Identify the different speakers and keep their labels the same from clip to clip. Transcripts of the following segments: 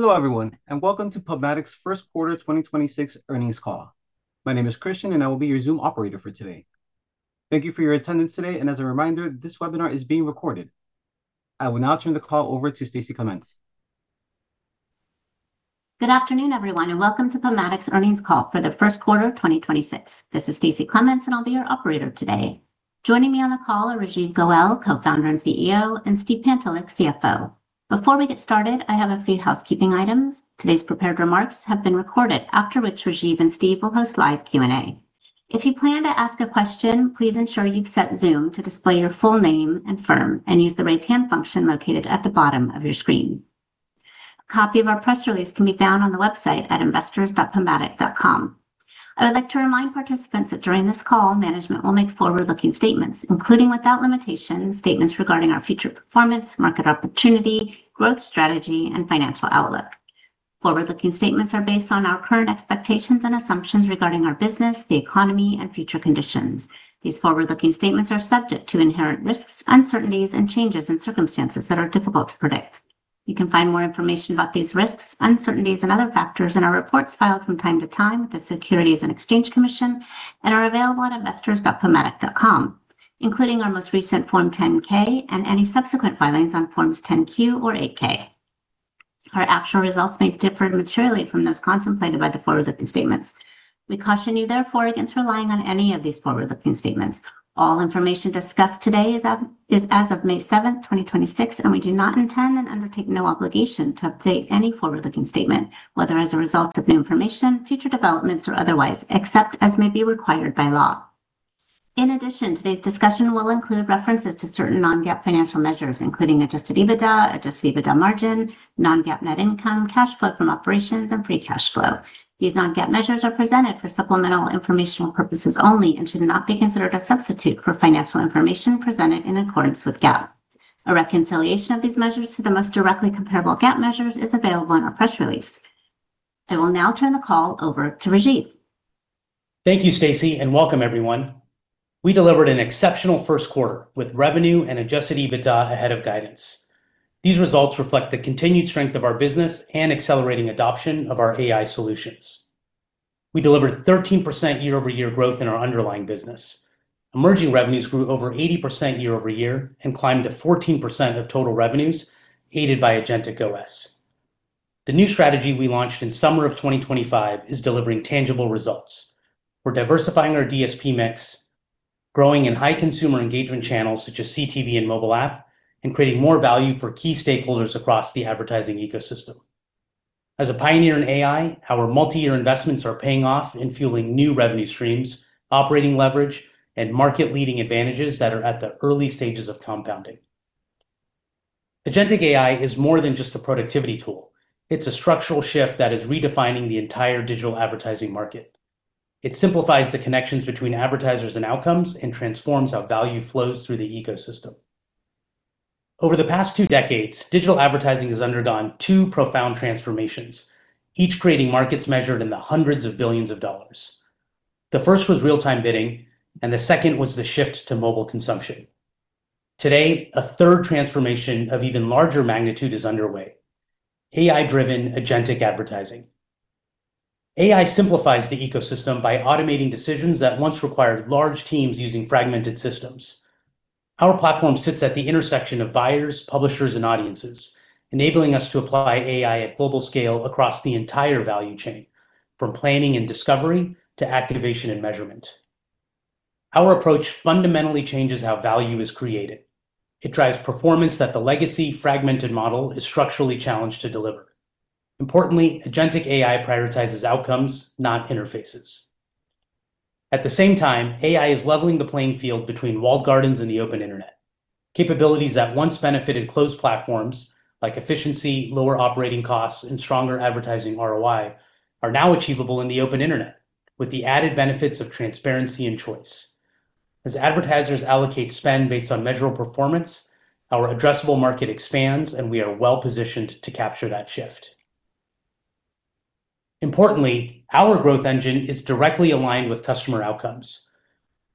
Speaker 1: Hello, everyone, and welcome to PubMatic's first quarter 2026 earnings call. My name is Christian, and I will be your Zoom operator for today. Thank you for your attendance today, and as a reminder, this webinar is being recorded. I will now turn the call over to Stacie Clements.
Speaker 2: Good afternoon, everyone, and welcome to PubMatic's earnings call for the first quarter of 2026. This is Stacie Clements, and I'll be your operator today. Joining me on the call are Rajeev Goel, Co-Founder and CEO, and Steve Pantelick, CFO. Before we get started, I have a few housekeeping items. Today's prepared remarks have been recorded after which Rajeev and Steve will host live Q&A. If you plan to ask a question, please ensure you've set Zoom to display your full name and firm and use the raise hand function located at the bottom of your screen. A copy of our press release can be found on the website at investors.pubmatic.com. I would like to remind participants that during this call, management will make forward-looking statements, including without limitation, statements regarding our future performance, market opportunity, growth strategy, and financial outlook. Forward-looking statements are based on our current expectations and assumptions regarding our business, the economy, and future conditions. These forward-looking statements are subject to inherent risks, uncertainties, and changes in circumstances that are difficult to predict. You can find more information about these risks, uncertainties, and other factors in our reports filed from time to time with the Securities and Exchange Commission and are available on investors.pubmatic.com, including our most recent Form 10-K and any subsequent filings on Forms 10-Q or 8-K. Our actual results may differ materially from those contemplated by the forward-looking statements. We caution you, therefore, against relying on any of these forward-looking statements. All information discussed today is as of May 7th, 2026. We do not intend and undertake no obligation to update any forward-looking statement, whether as a result of new information, future developments, or otherwise, except as may be required by law. In addition, today's discussion will include references to certain non-GAAP financial measures, including adjusted EBITDA, adjusted EBITDA margin, non-GAAP net income, cash flow from operations, and free cash flow. These non-GAAP measures are presented for supplemental informational purposes only and should not be considered a substitute for financial information presented in accordance with GAAP. A reconciliation of these measures to the most directly comparable GAAP measures is available in our press release. I will now turn the call over to Rajeev.
Speaker 3: Thank you, Stacie, and welcome everyone. We delivered an exceptional first quarter with revenue and adjusted EBITDA ahead of guidance. These results reflect the continued strength of our business and accelerating adoption of our AI solutions. We delivered 13% year-over-year growth in our underlying business. Emerging revenues grew over 80% year-over-year and climbed to 14% of total revenues, aided by AgenticOS. The new strategy we launched in summer of 2025 is delivering tangible results. We're diversifying our DSP mix, growing in high consumer engagement channels such as CTV and mobile app, and creating more value for key stakeholders across the advertising ecosystem. As a pioneer in AI, our multi-year investments are paying off and fueling new revenue streams, operating leverage, and market-leading advantages that are at the early stages of compounding. Agentic AI is more than just a productivity tool. It's a structural shift that is redefining the entire digital advertising market. It simplifies the connections between advertisers and outcomes and transforms how value flows through the ecosystem. Over the past two decades, digital advertising has undergone two profound transformations, each creating markets measured in the $100s of billions. The first was real-time bidding, and the second was the shift to mobile consumption. Today, 1/3 transformation of even larger magnitude is underway: AI-driven agentic advertising. AI simplifies the ecosystem by automating decisions that once required large teams using fragmented systems. Our platform sits at the intersection of buyers, publishers, and audiences, enabling us to apply AI at global scale across the entire value chain, from planning and discovery to activation and measurement. Our approach fundamentally changes how value is created. It drives performance that the legacy fragmented model is structurally challenged to deliver. Importantly, Agentic AI prioritizes outcomes, not interfaces. At the same time, AI is leveling the playing field between walled gardens and the open internet. Capabilities that once benefited closed platforms like efficiency, lower operating costs, and stronger advertising ROI are now achievable in the open internet with the added benefits of transparency and choice. As advertisers allocate spend based on measurable performance, our addressable market expands, and we are well-positioned to capture that shift. Importantly, our growth engine is directly aligned with customer outcomes.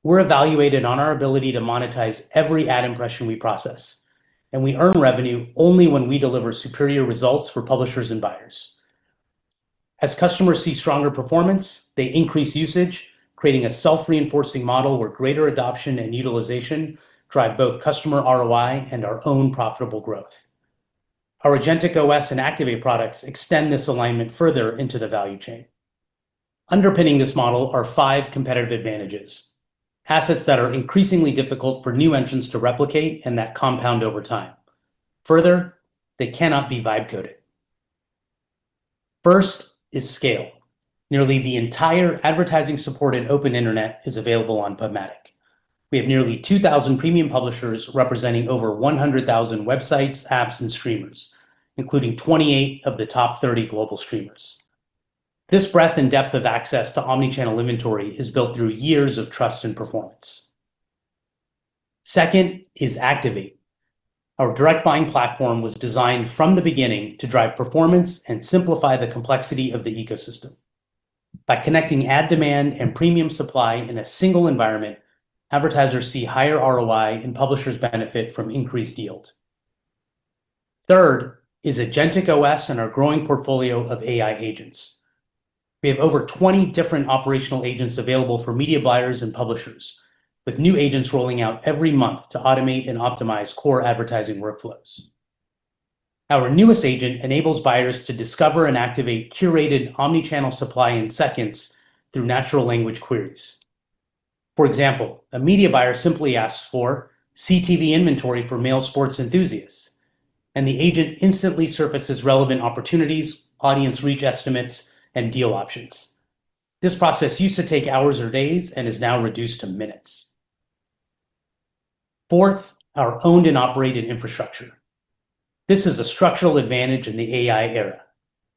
Speaker 3: We're evaluated on our ability to monetize every ad impression we process, and we earn revenue only when we deliver superior results for publishers and buyers. As customers see stronger performance, they increase usage, creating a self-reinforcing model where greater adoption and utilization drive both customer ROI and our own profitable growth. Our AgenticOS and Activate products extend this alignment further into the value chain. Underpinning this model are five competitive advantages, assets that are increasingly difficult for new entrants to replicate and that compound over time. Further, they cannot be vibe coded. First is scale. Nearly the entire advertising support in open internet is available on PubMatic. We have nearly 2,000 premium publishers representing over 100,000 websites, apps, and streamers, including 28 of the top 30 global streamers. This breadth and depth of access to omni-channel inventory is built through years of trust and performance. Second is Activate. Our direct buying platform was designed from the beginning to drive performance and simplify the complexity of the ecosystem. By connecting ad demand and premium supply in a single environment, advertisers see higher ROI and publishers benefit from increased yield. Third is AgenticOS and our growing portfolio of AI agents. We have over 20 different operational agents available for media buyers and publishers, with new agents rolling out every month to automate and optimize core advertising workflows. Our newest agent enables buyers to discover and activate curated omni-channel supply in seconds through natural language queries. For example, a media buyer simply asks for CTV inventory for male sports enthusiasts, and the agent instantly surfaces relevant opportunities, audience reach estimates, and deal options. This process used to take hours or days and is now reduced to minutes. Fourth, our owned and operated infrastructure. This is a structural advantage in the AI era.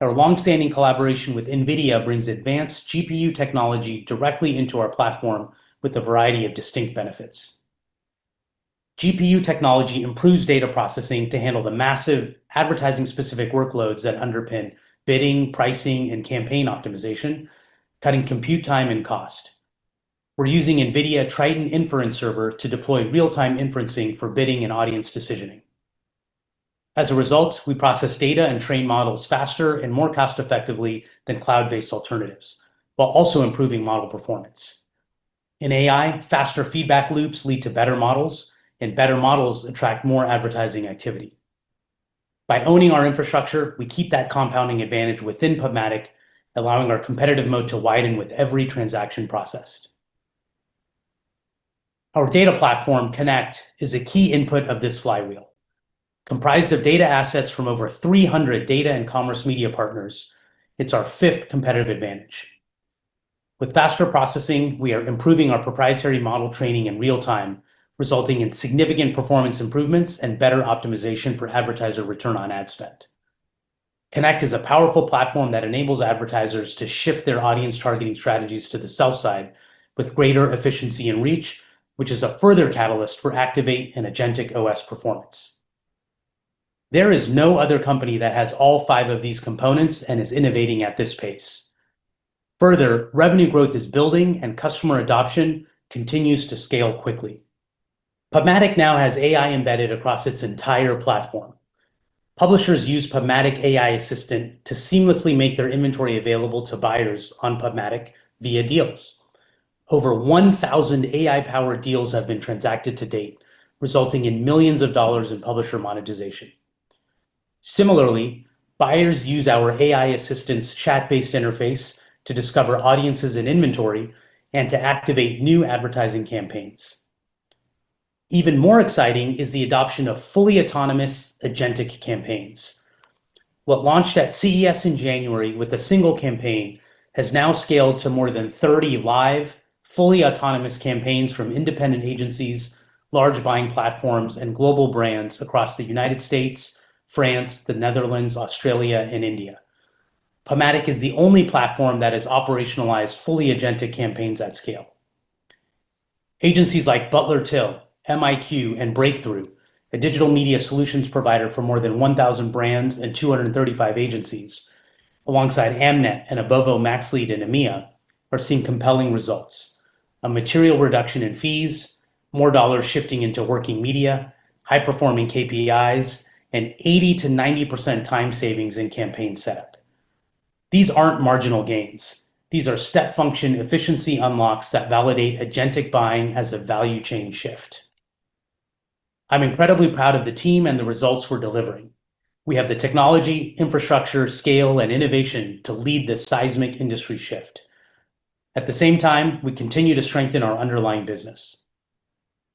Speaker 3: Our long-standing collaboration with NVIDIA brings advanced GPU technology directly into our platform with a variety of distinct benefits. GPU technology improves data processing to handle the massive advertising specific workloads that underpin bidding, pricing, and campaign optimization, cutting compute time and cost. We're using NVIDIA Triton Inference Server to deploy real-time inferencing for bidding and audience decisioning. As a result, we process data and train models faster and more cost effectively than cloud-based alternatives, while also improving model performance. In AI, faster feedback loops lead to better models, and better models attract more advertising activity. By owning our infrastructure, we keep that compounding advantage within PubMatic, allowing our competitive mode to widen with every transaction processed. Our data platform, Connect, is a key input of this flywheel. Comprised of data assets from over 300 data and commerce media partners, it's our fifth competitive advantage. With faster processing, we are improving our proprietary model training in real time, resulting in significant performance improvements and better optimization for advertiser return on ad spend. Connect is a powerful platform that enables advertisers to shift their audience targeting strategies to the sell side with greater efficiency and reach, which is a further catalyst for Activate and AgenticOS performance. There is no other company that has all five of these components and is innovating at this pace. Revenue growth is building and customer adoption continues to scale quickly. PubMatic now has AI embedded across its entire platform. Publishers use PubMatic Assistant to seamlessly make their inventory available to buyers on PubMatic via deals. Over 1,000 AI-powered deals have been transacted to date, resulting in millions of dollars in publisher monetization. Similarly, buyers use our AI Assistant's chat-based interface to discover audiences and inventory and to activate new advertising campaigns. Even more exciting is the adoption of fully autonomous Agentic campaigns. What launched at CES in January with a single campaign has now scaled to more than 30 live, fully Agentic campaigns from independent agencies, large buying platforms, and global brands across the United States, France, the Netherlands, Australia, and India. PubMatic is the only platform that has operationalized fully Agentic campaigns at scale. Agencies like Butler/Till, MiQ, and Brkthru, a digital media solutions provider for more than 1,000 brands and 235 agencies, alongside Amnet and Abovo Maxlead in EMEA, are seeing compelling results, a material reduction in fees, more dollars shifting into working media, high-performing KPIs, and 80%-90% time savings in campaign setup. These aren't marginal gains. These are step function efficiency unlocks that validate Agentic buying as a value chain shift. I'm incredibly proud of the team and the results we're delivering. We have the technology, infrastructure, scale, and innovation to lead this seismic industry shift. At the same time, we continue to strengthen our underlying business.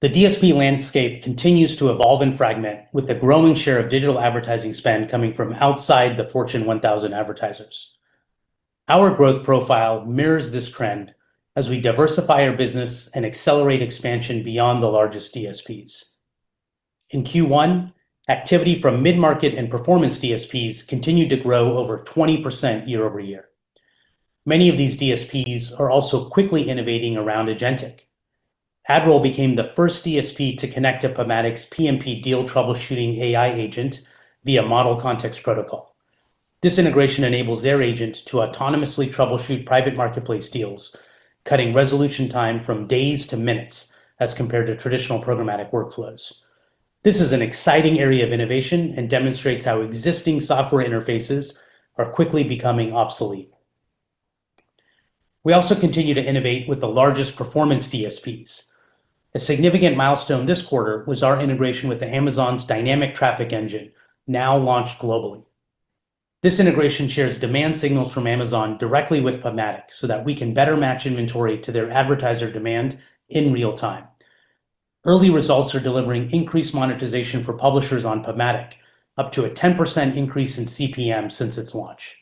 Speaker 3: The DSP landscape continues to evolve and fragment with the growing share of digital advertising spend coming from outside the Fortune 1000 advertisers. Our growth profile mirrors this trend as we diversify our business and accelerate expansion beyond the largest DSPs. In Q1, activity from mid-market and performance DSPs continued to grow over 20% year-over-year. Many of these DSPs are also quickly innovating around Agentic. AdRoll became the first DSP to connect to PubMatic's PMP deal troubleshooting AI agent via Model Context Protocol. This integration enables their agent to autonomously troubleshoot private marketplace deals, cutting resolution time from days to minutes as compared to traditional programmatic workflows. This is an exciting area of innovation and demonstrates how existing software interfaces are quickly becoming obsolete. We also continue to innovate with the largest performance DSPs. A significant milestone this quarter was our integration with Amazon's Dynamic Traffic Engine, now launched globally. This integration shares demand signals from Amazon directly with PubMatic so that we can better match inventory to their advertiser demand in real time. Early results are delivering increased monetization for publishers on PubMatic, up to a 10% increase in CPM since its launch.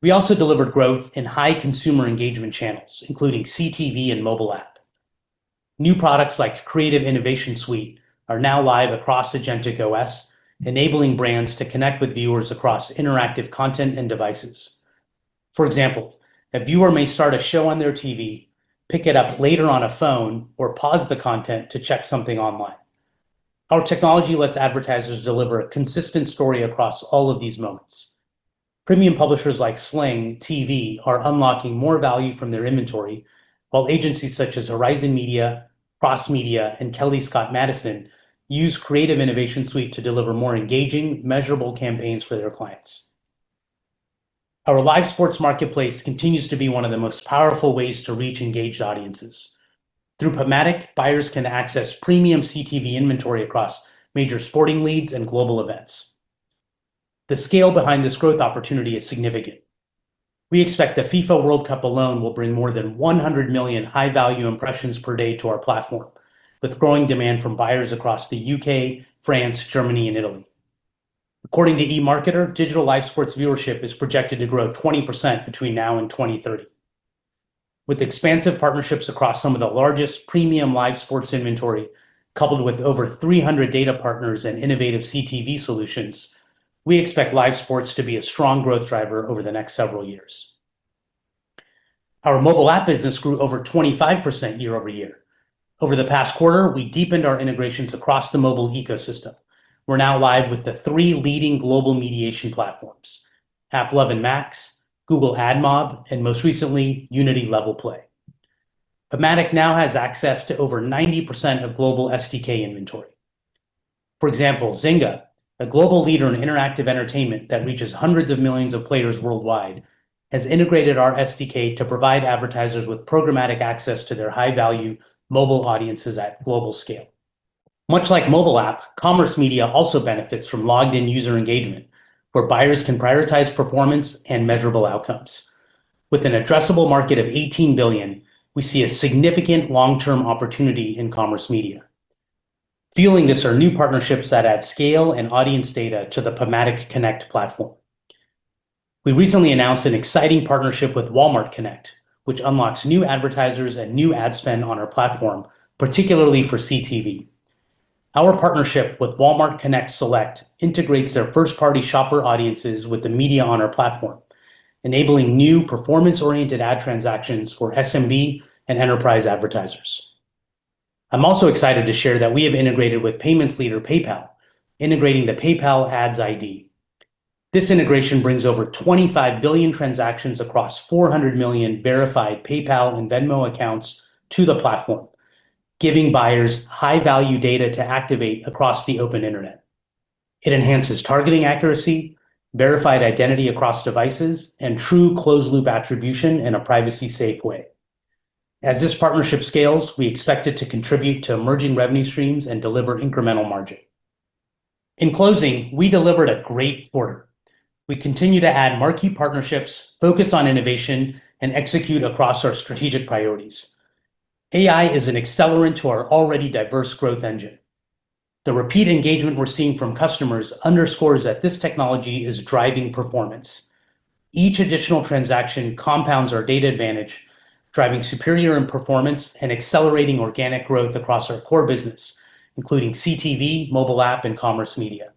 Speaker 3: We also delivered growth in high consumer engagement channels, including CTV and mobile app. New products like Creative Innovation Suite are now live across AgenticOS, enabling brands to connect with viewers across interactive content and devices. For example, a viewer may start a show on their TV, pick it up later on a phone, or pause the content to check something online. Our technology lets advertisers deliver a consistent story across all of these moments. Premium publishers like Sling TV are unlocking more value from their inventory, while agencies such as Horizon Media, Crossmedia, and Kelly Scott Madison use Creative Innovation Suite to deliver more engaging, measurable campaigns for their clients. Our live sports marketplace continues to be one of the most powerful ways to reach engaged audiences. Through PubMatic, buyers can access premium CTV inventory across major sporting leagues and global events. The scale behind this growth opportunity is significant. We expect the FIFA World Cup alone will bring more than 100 million high-value impressions per day to our platform, with growing demand from buyers across the U.K., France, Germany, and Italy. According to EMARKETER, digital live sports viewership is projected to grow 20% between now and 2030. With expansive partnerships across some of the largest premium live sports inventory, coupled with over 300 data partners and innovative CTV solutions, we expect live sports to be a strong growth driver over the next several years. Our mobile app business grew over 25% year-over-year. Over the past quarter, we deepened our integrations across the mobile ecosystem. We're now live with the three leading global mediation platforms, AppLovin MAX, Google AdMob, and most recently, Unity LevelPlay. PubMatic now has access to over 90% of global SDK inventory. For example, Zynga, a global leader in interactive entertainment that reaches 100s millions of players worldwide, has integrated our SDK to provide advertisers with programmatic access to their high-value mobile audiences at global scale. Much like mobile app, commerce media also benefits from logged-in user engagement, where buyers can prioritize performance and measurable outcomes. With an addressable market of $18 billion, we see a significant long-term opportunity in commerce media. Fueling this are new partnerships that add scale and audience data to the PubMatic Connect platform. We recently announced an exciting partnership with Walmart Connect, which unlocks new advertisers and new ad spend on our platform, particularly for CTV. Our partnership with Walmart Connect Select integrates their first-party shopper audiences with the media on our platform, enabling new performance-oriented ad transactions for SMB and enterprise advertisers. I'm also excited to share that we have integrated with payments leader PayPal, integrating the PayPal Ads ID. This integration brings over 25 billion transactions across 400 million verified PayPal and Venmo accounts to the platform, giving buyers high-value data to activate across the open internet. It enhances targeting accuracy, verified identity across devices, and true closed-loop attribution in a privacy-safe way. As this partnership scales, we expect it to contribute to emerging revenue streams and deliver incremental margin. In closing, we delivered a great quarter. We continue to add marquee partnerships, focus on innovation, and execute across our strategic priorities. AI is an accelerant to our already diverse growth engine. The repeat engagement we're seeing from customers underscores that this technology is driving performance. Each additional transaction compounds our data advantage, driving superior end performance and accelerating organic growth across our core business, including CTV, mobile app, and commerce media.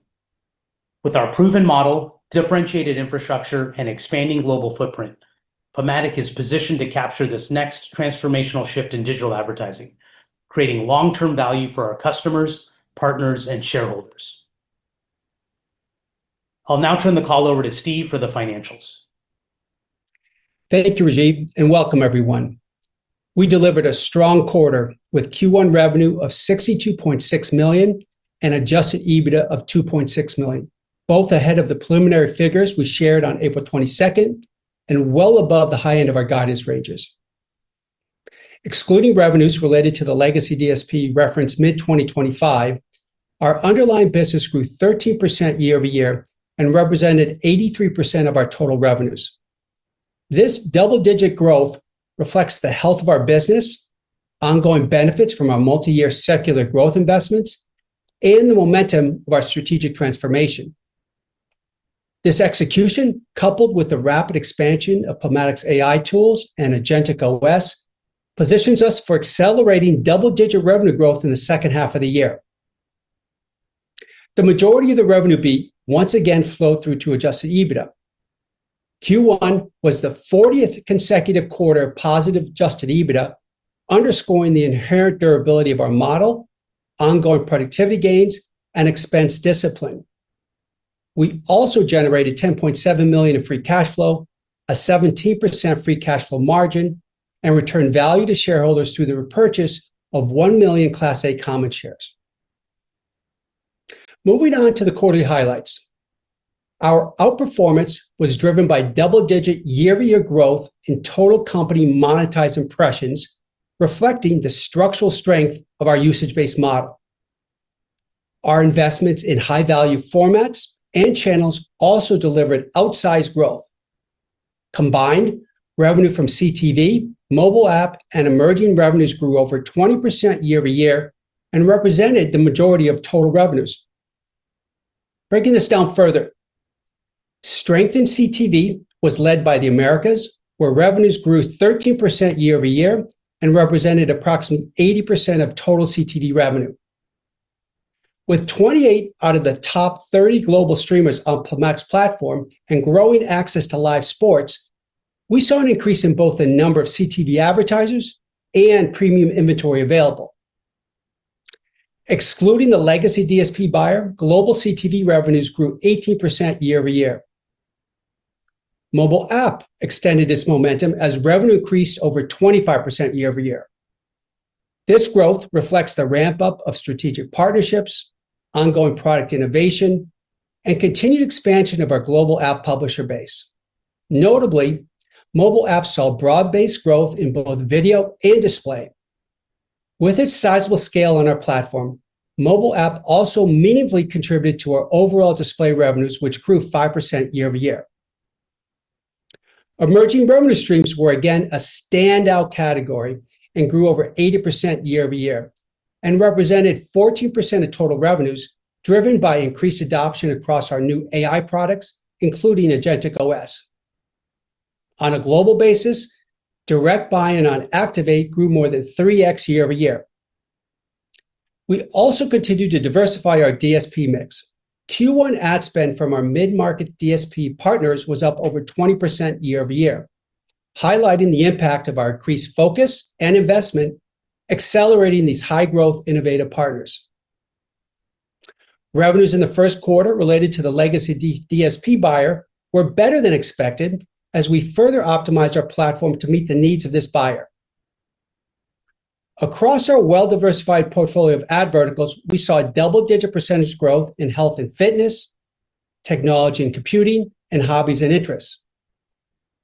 Speaker 3: With our proven model, differentiated infrastructure, and expanding global footprint, PubMatic is positioned to capture this next transformational shift in digital advertising, creating long-term value for our customers, partners, and shareholders. I'll now turn the call over to Steve for the financials.
Speaker 4: Thank you, Rajeev, and welcome everyone. We delivered a strong quarter with Q1 revenue of $62.6 million and adjusted EBITDA of $2.6 million, both ahead of the preliminary figures we shared on April 22 and well above the high end of our guidance ranges. Excluding revenues related to the legacy DSP referenced mid-2025, our underlying business grew 13% year-over-year and represented 83% of our total revenues. This double-digit growth reflects the health of our business, ongoing benefits from our multiyear secular growth investments, and the momentum of our strategic transformation. This execution, coupled with the rapid expansion of PubMatic's AI tools and AgenticOS, positions us for accelerating double-digit revenue growth in the second half of the year. The majority of the revenue beat once again flowed through to adjusted EBITDA. Q1 was the 40th consecutive quarter of positive adjusted EBITDA, underscoring the inherent durability of our model, ongoing productivity gains, and expense discipline. We also generated $10.7 million in free cash flow, a 17% free cash flow margin, and returned value to shareholders through the repurchase of 1 million Class A common shares. Moving on to the quarterly highlights. Our outperformance was driven by double-digit year-over-year growth in total company monetized impressions, reflecting the structural strength of our usage-based model. Our investments in high-value formats and channels also delivered outsized growth. Combined, revenue from CTV, mobile app, and emerging revenues grew over 20% year-over-year and represented the majority of total revenues. Breaking this down further, strength in CTV was led by the Americas, where revenues grew 13% year-over-year and represented approximately 80% of total CTV revenue. With 28 out of the top 30 global streamers on PubMatic's platform and growing access to live sports. We saw an increase in both the number of CTV advertisers and premium inventory available. Excluding the legacy DSP buyer, global CTV revenues grew 18% year-over-year. Mobile app extended its momentum as revenue increased over 25% year-over-year. This growth reflects the ramp-up of strategic partnerships, ongoing product innovation, and continued expansion of our global app publisher base. Notably, mobile apps saw broad-based growth in both video and display. With its sizable scale on our platform, mobile app also meaningfully contributed to our overall display revenues, which grew 5% year-over-year. Emerging revenue streams were again a standout category and grew over 80% year-over-year and represented 14% of total revenues, driven by increased adoption across our new AI products, including AgenticOS. On a global basis, direct buy and on Activate grew more than 3x year-over-year. We also continued to diversify our DSP mix. Q1 ad spend from our mid-market DSP partners was up over 20% year-over-year, highlighting the impact of our increased focus and investment accelerating these high-growth innovative partners. Revenues in the first quarter related to the legacy DSP buyer were better than expected as we further optimized our platform to meet the needs of this buyer. Across our well-diversified portfolio of ad verticals, we saw double-digit % growth in health and fitness, technology and computing, and hobbies and interests.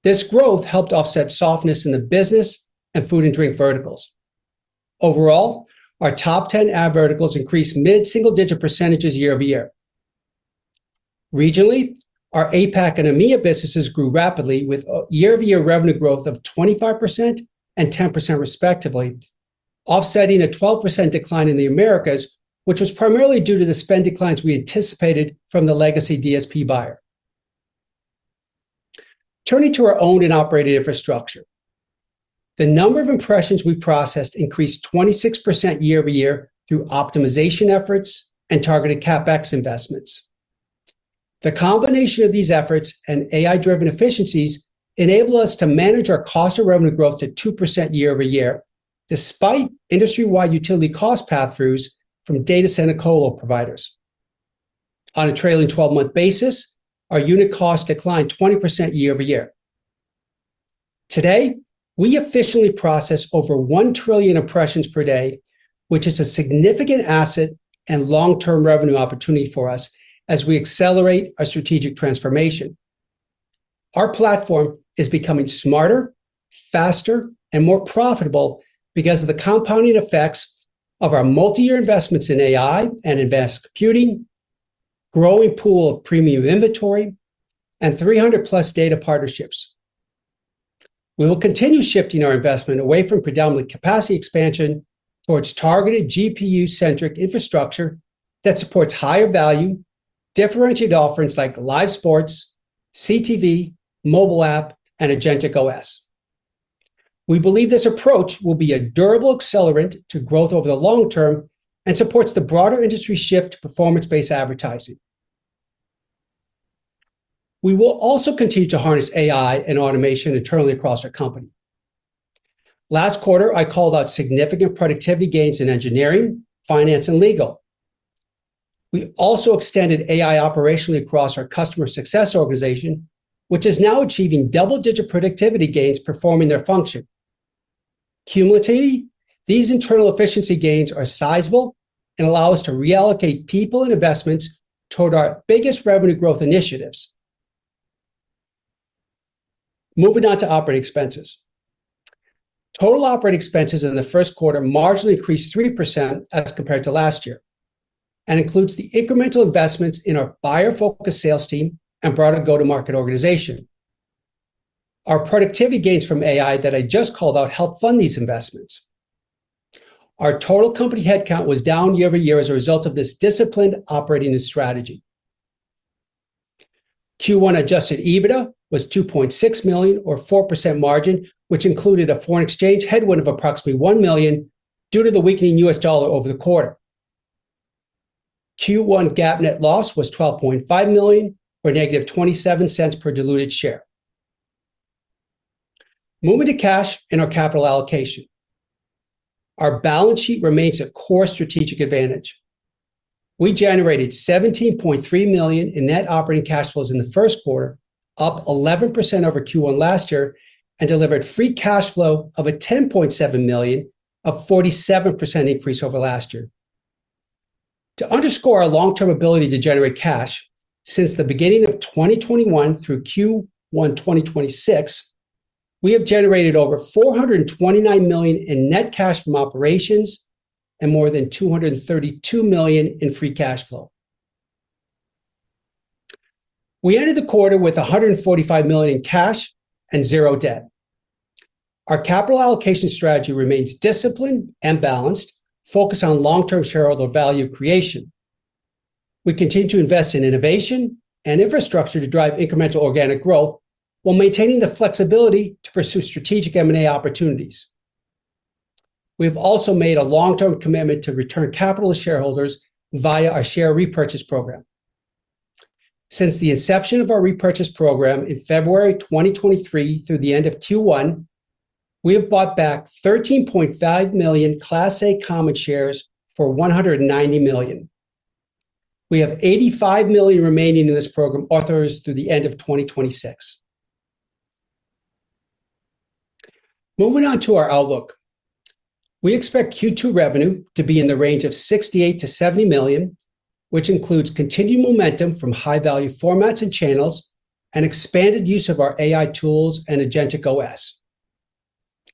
Speaker 4: This growth helped offset softness in the business and food and drink verticals. Overall, our top 10 ad verticals increased mid-single digit %s year-over-year. Regionally, our APAC and EMEA businesses grew rapidly with a year-over-year revenue growth of 25% and 10% respectively, offsetting a 12% decline in the Americas, which was primarily due to the spend declines we anticipated from the legacy DSP buyer. Turning to our owned and operated infrastructure. The number of impressions we processed increased 26% year-over-year through optimization efforts and targeted CapEx investments. The combination of these efforts and AI-driven efficiencies enable us to manage our cost of revenue growth to 2% year-over-year, despite industry-wide utility cost passthroughs from data center co-lo providers. On a trailing 12-month basis, our unit cost declined 20% year-over-year. Today, we officially process over 1 trillion impressions per day, which is a significant asset and long-term revenue opportunity for us as we accelerate our strategic transformation. Our platform is becoming smarter, faster, and more profitable because of the compounding effects of our multi-year investments in AI and advanced computing, growing pool of premium inventory, and 300+ data partnerships. We will continue shifting our investment away from predominantly capacity expansion towards targeted GPU-centric infrastructure that supports higher value, differentiated offerings like live sports, CTV, mobile app, and AgenticOS. We believe this approach will be a durable accelerant to growth over the long term and supports the broader industry shift to performance-based advertising. We will also continue to harness AI and automation internally across our company. Last quarter, I called out significant productivity gains in engineering, finance, and legal. We also extended AI operationally across our customer success organization, which is now achieving double-digit productivity gains performing their function. Cumulatively, these internal efficiency gains are sizable and allow us to reallocate people and investments toward our biggest revenue growth initiatives. Moving on to operating expenses. Total operating expenses in the first quarter marginally increased 3% as compared to last year and includes the incremental investments in our buyer-focused sales team and broader go-to-market organization. Our productivity gains from AI that I just called out help fund these investments. Our total company headcount was down year-over-year as a result of this disciplined operating strategy. Q1 adjusted EBITDA was $2.6 million or 4% margin, which included a foreign exchange headwind of approximately $1 million due to the weakening U.S. dollar over the quarter. Q1 GAAP net loss was $12.5 million or -$0.27 per diluted share. Moving to cash and our capital allocation. Our balance sheet remains a core strategic advantage. We generated $17.3 million in net operating cash flows in the first quarter, up 11% over Q1 last year, and delivered free cash flow of $10.7 million, a 47% increase over last year. To underscore our long-term ability to generate cash, since the beginning of 2021 through Q1 2026, we have generated over $429 million in net cash from operations and more than $232 million in free cash flow. We ended the quarter with $145 million in cash and zero debt. Our capital allocation strategy remains disciplined and balanced, focused on long-term shareholder value creation. We continue to invest in innovation and infrastructure to drive incremental organic growth while maintaining the flexibility to pursue strategic M&A opportunities. We've also made a long-term commitment to return capital to shareholders via our share repurchase program. Since the inception of our repurchase program in February 2023 through the end of Q1, we have bought back 13.5 million Class A common shares for $190 million. We have $85 million remaining in this program authorized through the end of 2026. Moving on to our outlook. We expect Q2 revenue to be in the range of $68 million-$70 million, which includes continued momentum from high-value formats and channels and expanded use of our AI tools and AgenticOS.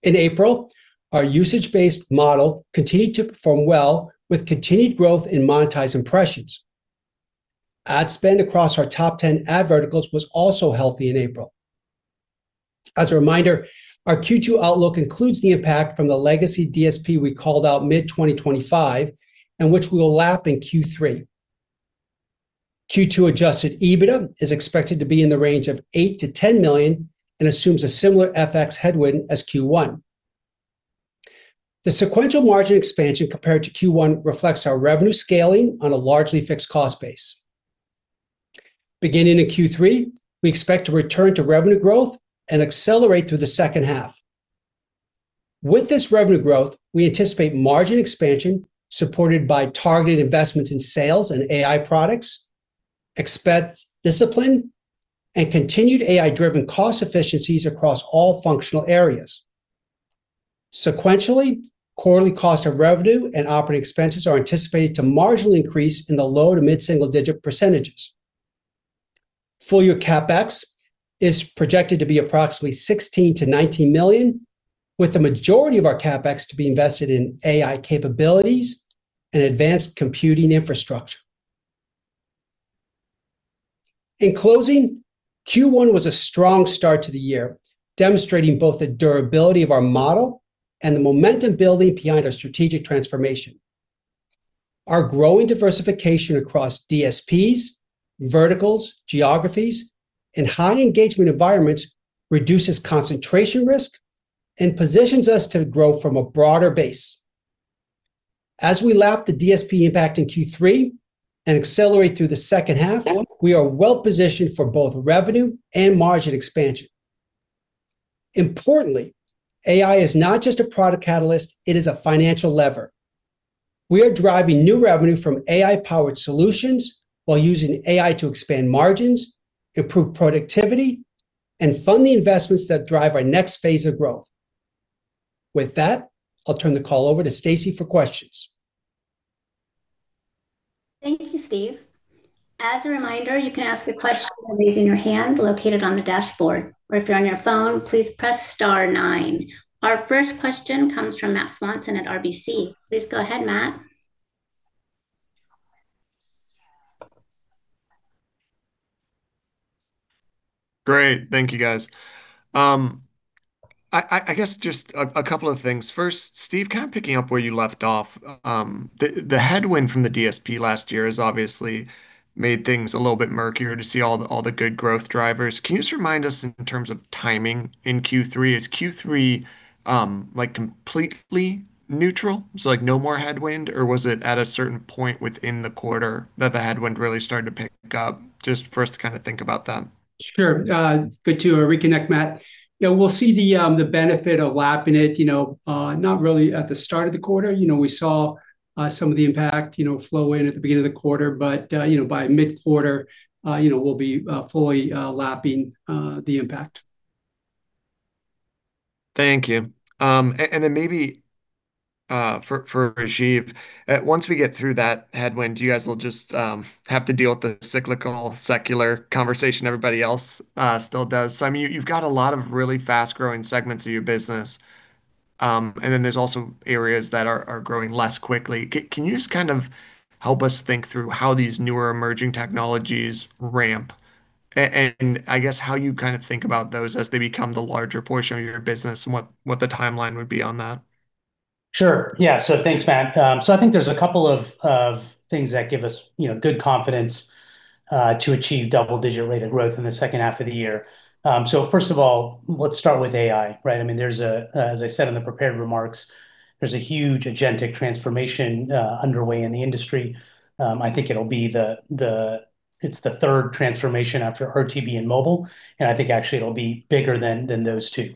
Speaker 4: In April, our usage-based model continued to perform well with continued growth in monetized impressions. Ad spend across our top 10 ad verticals was also healthy in April. As a reminder, our Q2 outlook includes the impact from the legacy DSP we called out mid-2025 and which we will lap in Q3. Q2 adjusted EBITDA is expected to be in the range of $8 million-$10 million and assumes a similar FX headwind as Q1. The sequential margin expansion compared to Q1 reflects our revenue scaling on a largely fixed cost base. Beginning in Q3, we expect to return to revenue growth and accelerate through the second half. With this revenue growth, we anticipate margin expansion supported by targeted investments in sales and AI products, expense discipline, and continued AI-driven cost efficiencies across all functional areas. Sequentially, quarterly cost of revenue and operating expenses are anticipated to marginally increase in the low to mid-single-digit %. Full-year CapEx is projected to be approximately $16 million-$19 million, with the majority of our CapEx to be invested in AI capabilities and advanced computing infrastructure. In closing, Q1 was a strong start to the year, demonstrating both the durability of our model and the momentum building behind our strategic transformation. Our growing diversification across DSPs, verticals, geographies, and high-engagement environments reduces concentration risk and positions us to grow from a broader base. As we lap the DSP impact in Q3 and accelerate through the second half, we are well-positioned for both revenue and margin expansion. Importantly, AI is not just a product catalyst, it is a financial lever. We are driving new revenue from AI-powered solutions while using AI to expand margins, improve productivity, and fund the investments that drive our next phase of growth. With that, I'll turn the call over to Stacie for questions.
Speaker 2: Thank you, Steve. As a reminder you can ask a question raising your hand located in the dash board. If your on your phone please press star nine. Our first question comes from Matt Swanson at RBC. Please go ahead, Matt.
Speaker 5: Great. Thank you, guys. I guess just a couple of things. First, Steve, kind of picking up where you left off. The headwind from the DSP last year has obviously made things a little bit murkier to see all the good growth drivers. Can you just remind us in terms of timing in Q3? Is Q3, like, completely neutral? Like, no more headwind, or was it at a certain point within the quarter that the headwind really started to pick up? Just for us to kinda think about that.
Speaker 4: Sure. Good to reconnect, Matt. We'll see the benefit of lapping it, you know, not really at the start of the quarter. You know, we saw some of the impact, you know, flow in at the beginning of the quarter, but, you know, by mid-quarter, you know, we'll be fully lapping the impact.
Speaker 5: Thank you. Maybe for Rajeev, once we get through that headwind, you guys will just have to deal with the cyclical secular conversation everybody else still does. I mean, you've got a lot of really fast-growing segments of your business, and then there's also areas that are growing less quickly. Can you just kind of help us think through how these newer emerging technologies ramp? I guess how you kind of think about those as they become the larger portion of your business and what the timeline would be on that.
Speaker 3: Sure, yeah. Thanks, Matt. I think there's a couple of things that give us good confidence to achieve double-digit rate of growth in the second half of the year. First of all, let's start with AI, right? There's a, as I said in the prepared remarks, there's a huge agentic transformation underway in the industry. I think it'll be the It's the third transformation after RTB and mobile, and I think actually it'll be bigger than those two.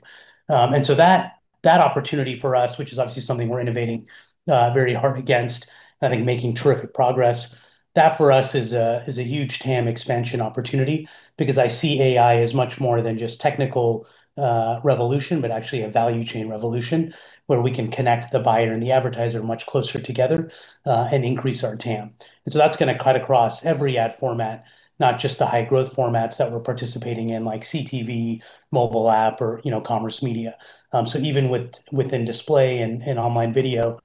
Speaker 3: That opportunity for us, which is obviously something we're innovating very hard against, I think making terrific progress, that for us is a huge TAM expansion opportunity because I see AI as much more than just technical revolution, but actually a value chain revolution where we can connect the buyer and the advertiser much closer together and increase our TAM. That's gonna cut across every ad format, not just the high-growth formats that we're participating in, like CTV, mobile app or, you know, commerce media. So even within display and online video,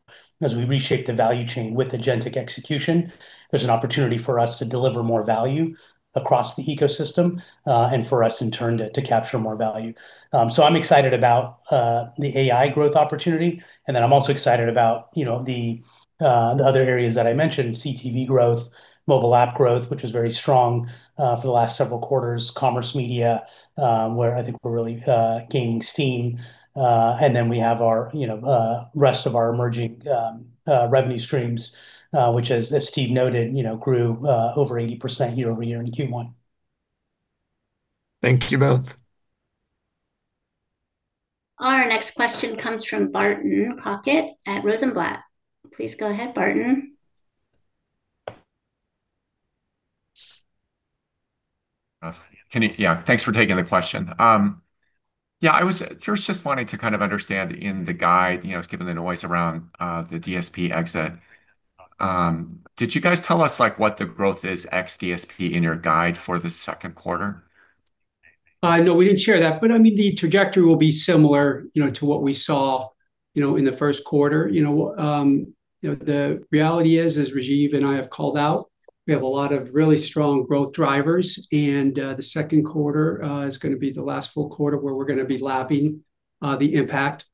Speaker 3: as we reshape the value chain with agentic execution, there's an opportunity for us to deliver more value across the ecosystem and for us in turn to capture more value. I'm excited about the AI growth opportunity. I'm also excited about, you know, the other areas that I mentioned, CTV growth, mobile app growth, which was very strong for the last several quarters, commerce media, where I think we're really gaining steam. We have our, you know, rest of our emerging revenue streams, which as Steve noted, you know, grew over 80% year-over-year in Q1.
Speaker 5: Thank you both.
Speaker 2: Our next question comes from Barton Crockett at Rosenblatt. Please go ahead, Barton.
Speaker 6: Yeah, thanks for taking the question. Yeah, I was just wanting to kind of understand in the guide, you know, given the noise around the DSP exit, did you guys tell us, like, what the growth is ex-DSP in your guide for the second quarter?
Speaker 4: No, we didn't share that, but, I mean, the trajectory will be similar, you know, to what we saw, you know, in the first quarter. You know, you know, the reality is, as Rajeev and I have called out, we have a lot of really strong growth drivers and the second quarter is going to be the last full quarter where we're going to be lapping the impact.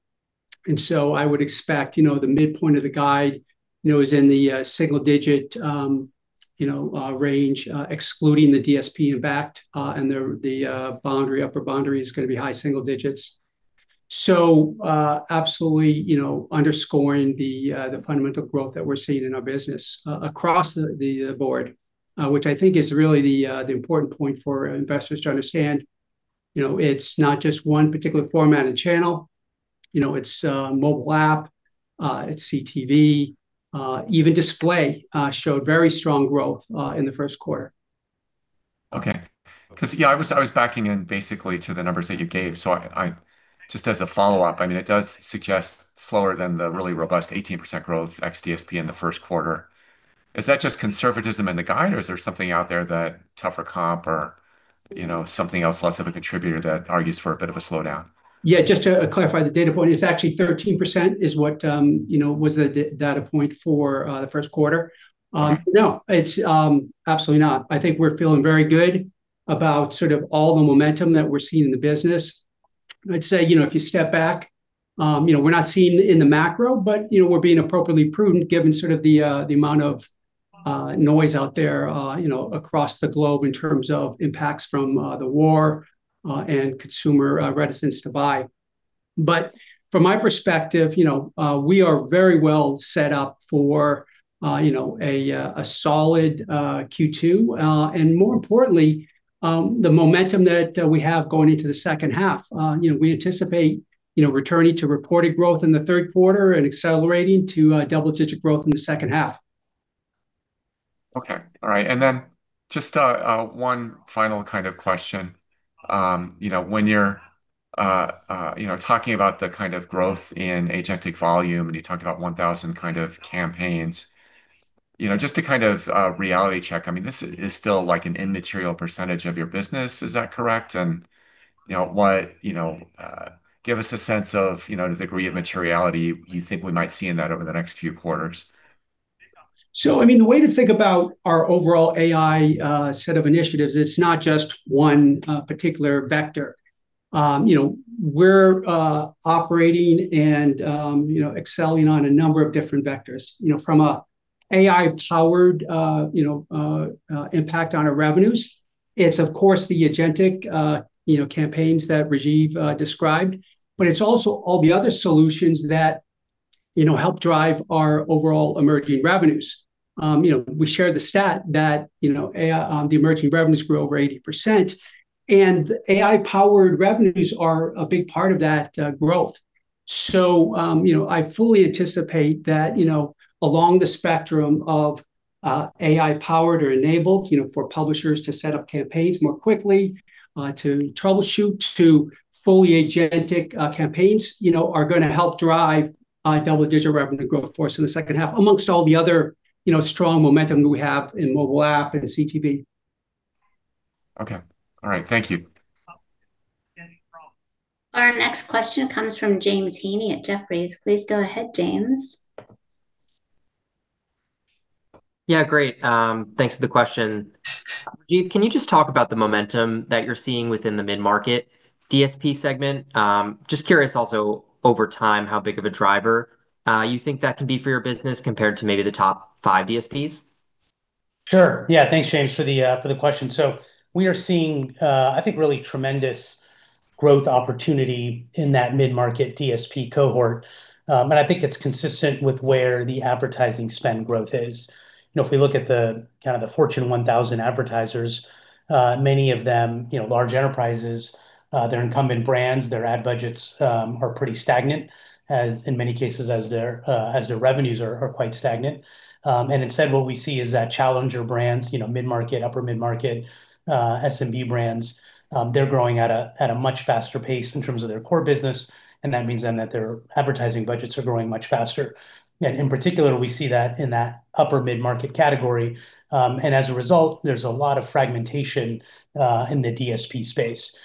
Speaker 4: I would expect, you know, the midpoint of the guide, you know, is in the single digit range, excluding the DSP impact, and the upper boundary is going to be high single digits. Absolutely, you know, underscoring the fundamental growth that we're seeing in our business across the board, which I think is really the important point for investors to understand. You know, it's not just one particular format and channel. You know, it's mobile app, it's CTV, even display showed very strong growth in the first quarter.
Speaker 6: Okay. 'Cause yeah, I was backing in basically to the numbers that you gave, so just as a follow-up, I mean, it does suggest slower than the really robust 18% growth ex-DSP in the first quarter. Is that just conservatism in the guide, or is there something out there that tougher comp or, you know, something else less of a contributor that argues for a bit of a slowdown?
Speaker 4: Just to clarify the data point, it's actually 13% is what, you know, was the data point for the first quarter. No, it's absolutely not. I think we're feeling very good about sort of all the momentum that we're seeing in the business. I'd say, you know, if you step back, you know, we're not seeing in the macro, but, you know, we're being appropriately prudent given sort of the amount of noise out there, you know, across the globe in terms of impacts from the war and consumer reticence to buy. From my perspective, you know, we are very well set up for, you know, a solid Q2, and more importantly, the momentum that we have going into the second half. We anticipate returning to reported growth in the third quarter and accelerating to double-digit growth in the second half.
Speaker 6: Okay. All right. Then just, one final kind of question. You know, when you're, you know, talking about the kind of growth in agentic volume, you talked about 1,000 kind of campaigns, you know, just to kind of, reality check, I mean, this is still, like, an immaterial % of your business. Is that correct? You know, what, you know, give us a sense of, you know, the degree of materiality you think we might see in that over the next few quarters.
Speaker 4: I mean, the way to think about our overall AI set of initiatives, it's not just one particular vector. You know, we're operating and, you know, excelling on a number of different vectors. You know, from a AI-powered, you know, impact on our revenues, it's of course the agentic, you know, campaigns that Rajeev described, it's also all the other solutions that, you know, help drive our overall emerging revenues. You know, we shared the stat that, you know, AI, the emerging revenues grew over 80%, and AI-powered revenues are a big part of that growth. I fully anticipate that, you know, along the spectrum of AI-powered or enabled, you know, for publishers to set up campaigns more quickly, to troubleshoot, to fully agentic campaigns, you know, are gonna help drive double-digit revenue growth for us in the second half, amongst all the other, you know, strong momentum we have in mobile app and CTV.
Speaker 6: Okay. All right. Thank you.
Speaker 2: Our next question comes from James Heaney at Jefferies. Please go ahead, James.
Speaker 7: Yeah, great. Thanks for the question. Rajeev, can you just talk about the momentum that you're seeing within the mid-market DSP segment? Just curious also over time how big of a driver you think that can be for your business compared to maybe the top five DSPs.
Speaker 3: Sure. Yeah. Thanks, James, for the question. We are seeing, I think, really tremendous growth opportunity in that mid-market DSP cohort. And I think it's consistent with where the advertising spend growth is. You know, if we look at the kind of the Fortune 1000 advertisers, many of them, you know, large enterprises, their incumbent brands, their ad budgets are pretty stagnant, as in many cases as their revenues are quite stagnant. And instead, what we see is that challenger brands, you know, mid-market, upper mid-market, SMB brands, they're growing at a much faster pace in terms of their core business, and that means then that their advertising budgets are growing much faster. In particular, we see that in that upper mid-market category. As a result, there's a lot of fragmentation in the DSP space.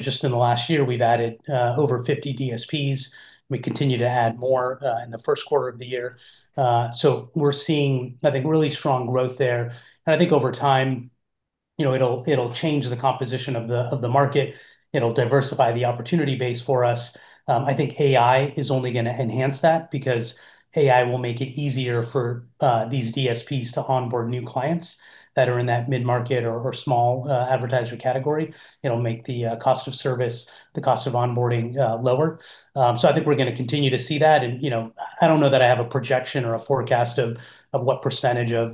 Speaker 3: Just in the last year, we've added over 50 DSPs. We continue to add more in the first quarter of the year. We're seeing, I think, really strong growth there. I think over time, you know, it'll change the composition of the market. It'll diversify the opportunity base for us. I think AI is only gonna enhance that because AI will make it easier for these DSPs to onboard new clients that are in that mid-market or small advertiser category. It'll make the cost of service, the cost of onboarding lower. I think we're gonna continue to see that. You know, I don't know that I have a projection or a forecast of what %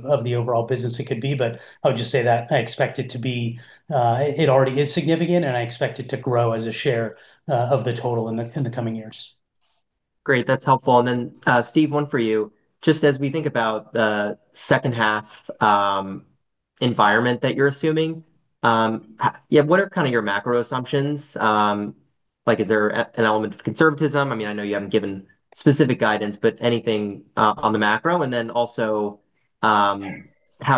Speaker 3: of the overall business it could be, but I would just say that I expect it to be, it already is significant, and I expect it to grow as a share of the total in the coming years.
Speaker 7: Great, that's helpful. Then, Steve, one for you. Just as we think about the second half environment that you're assuming, what are kinda your macro assumptions? Like, is there an element of conservatism? I mean, I know you haven't given specific guidance, but anything on the macro? Then also, how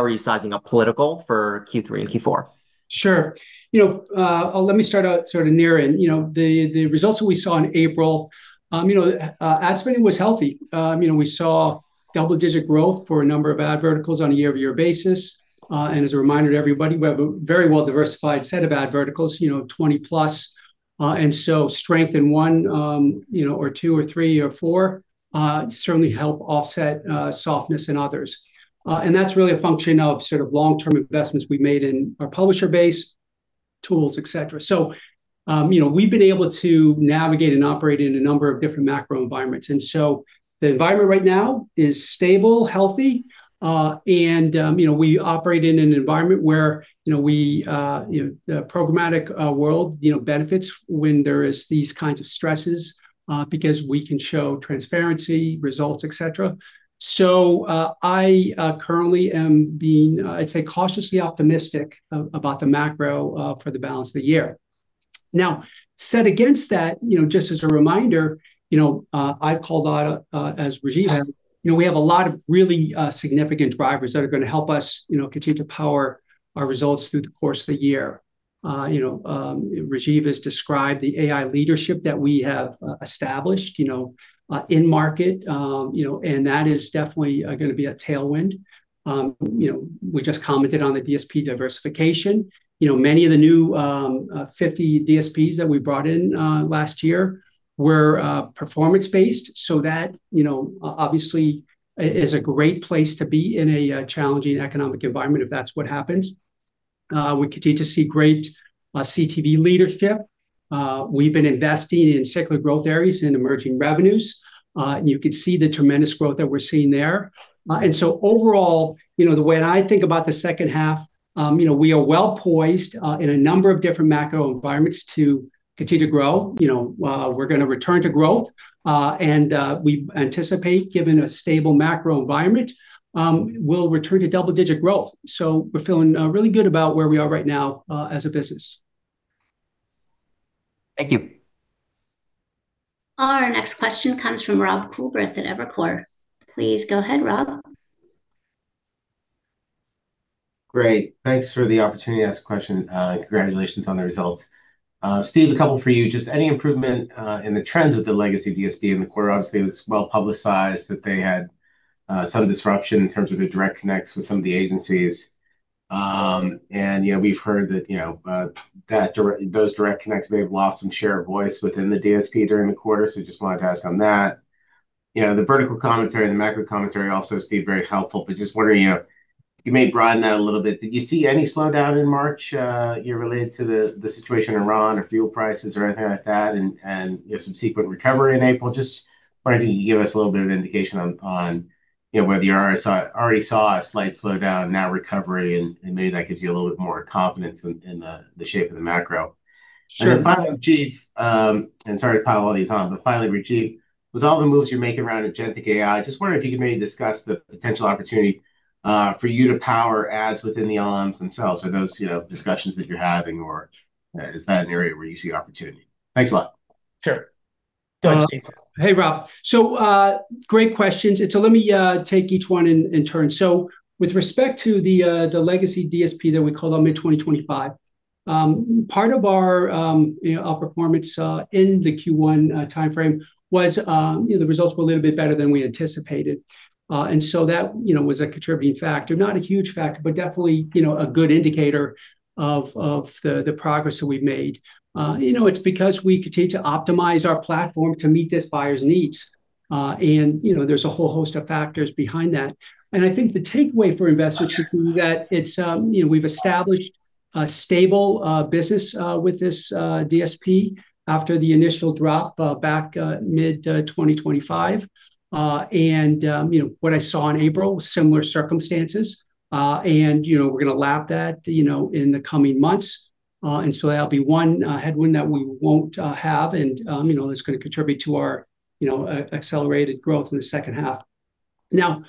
Speaker 7: are you sizing up political for Q3 and Q4?
Speaker 4: Sure. You know, let me start out sort of near in. You know, the results that we saw in April, ad spending was healthy. We saw double-digit growth for a number of ad verticals on a year-over-year basis. As a reminder to everybody, we have a very well-diversified set of ad verticals, 20+. Strength in one or two or three or four certainly help offset softness in others. That's really a function of sort of long-term investments we've made in our publisher base, tools, et cetera. We've been able to navigate and operate in a number of different macro environments. The environment right now is stable, healthy. You know, we operate in an environment where, you know, we, you know, the programmatic world, you know, benefits when there is these kinds of stresses because we can show transparency, results, et cetera. I currently am being, I'd say cautiously optimistic about the macro for the balance of the year. Now, set against that, you know, just as a reminder, you know, I've called out as Rajeev-
Speaker 3: Yeah
Speaker 4: You know, we have a lot of really significant drivers that are gonna help us, you know, continue to power our results through the course of the year. you know, Rajeev has described the AI leadership that we have established, you know, in market. you know, that is definitely gonna be a tailwind. you know, we just commented on the DSP diversification. You know, many of the new 50 DSPs that we brought in last year were performance-based, so that, you know, obviously is a great place to be in a challenging economic environment if that's what happens. We continue to see great CTV leadership. We've been investing in cyclic growth areas in emerging revenues. You could see the tremendous growth that we're seeing there. Overall, you know, the way that I think about the second half, you know, we are well-poised in a number of different macro environments to continue to grow. You know, we're gonna return to growth. We anticipate, given a stable macro environment, we'll return to double-digit growth. We're feeling really good about where we are right now as a business.
Speaker 7: Thank you.
Speaker 2: Our next question comes from Rob Coolbrith at Evercore. Please go ahead, Rob.
Speaker 8: Great. Thanks for the opportunity to ask a question. Congratulations on the results. Steve, a couple for you. Just any improvement in the trends with the legacy DSP in the quarter? Obviously, it was well-publicized that they had some disruption in terms of the direct connects with some of the agencies. You know, we've heard that, you know, those direct connects may have lost some share of voice within the DSP during the quarter, so just wanted to ask on that. You know, the vertical commentary and the macro commentary also, Steve, very helpful, but just wondering if you may broaden that a little bit. Did you see any slowdown in March, you know, related to the situation in Iran or fuel prices or anything like that and, you know, subsequent recovery in April? Just wondering if you could give us a little bit of indication on, you know, whether you already saw a slight slowdown and now recovery, and maybe that gives you a little bit more confidence in the shape of the macro.
Speaker 4: Sure.
Speaker 8: Finally, Rajeev, sorry to pile all these on, but finally, Rajeev, with all the moves you're making around Agentic AI, just wondering if you could maybe discuss the potential opportunity for you to power ads within the LLMs themselves. Are those, you know, discussions that you're having, or is that an area where you see opportunity? Thanks a lot.
Speaker 4: Sure.
Speaker 3: Go ahead, Steve.
Speaker 4: Hey, Rob. Great questions, let me take each one in turn. With respect to the legacy DSP that we called out mid-2025, part of our, you know, our performance in the Q1 timeframe was, you know, the results were a little bit better than we anticipated. That, you know, was a contributing factor. Not a huge factor, definitely, you know, a good indicator of the progress that we've made. You know, it's because we continue to optimize our platform to meet this buyer's needs. You know, there's a whole host of factors behind that. I think the takeaway for investors should be that it's, you know, we've established a stable business with this DSP after the initial drop back mid-2025. You know, what I saw in April, similar circumstances. You know, we're gonna lap that, you know, in the coming months. That'll be one headwind that we won't have, and, you know, that's gonna contribute to our, you know, accelerated growth in the second half. Now,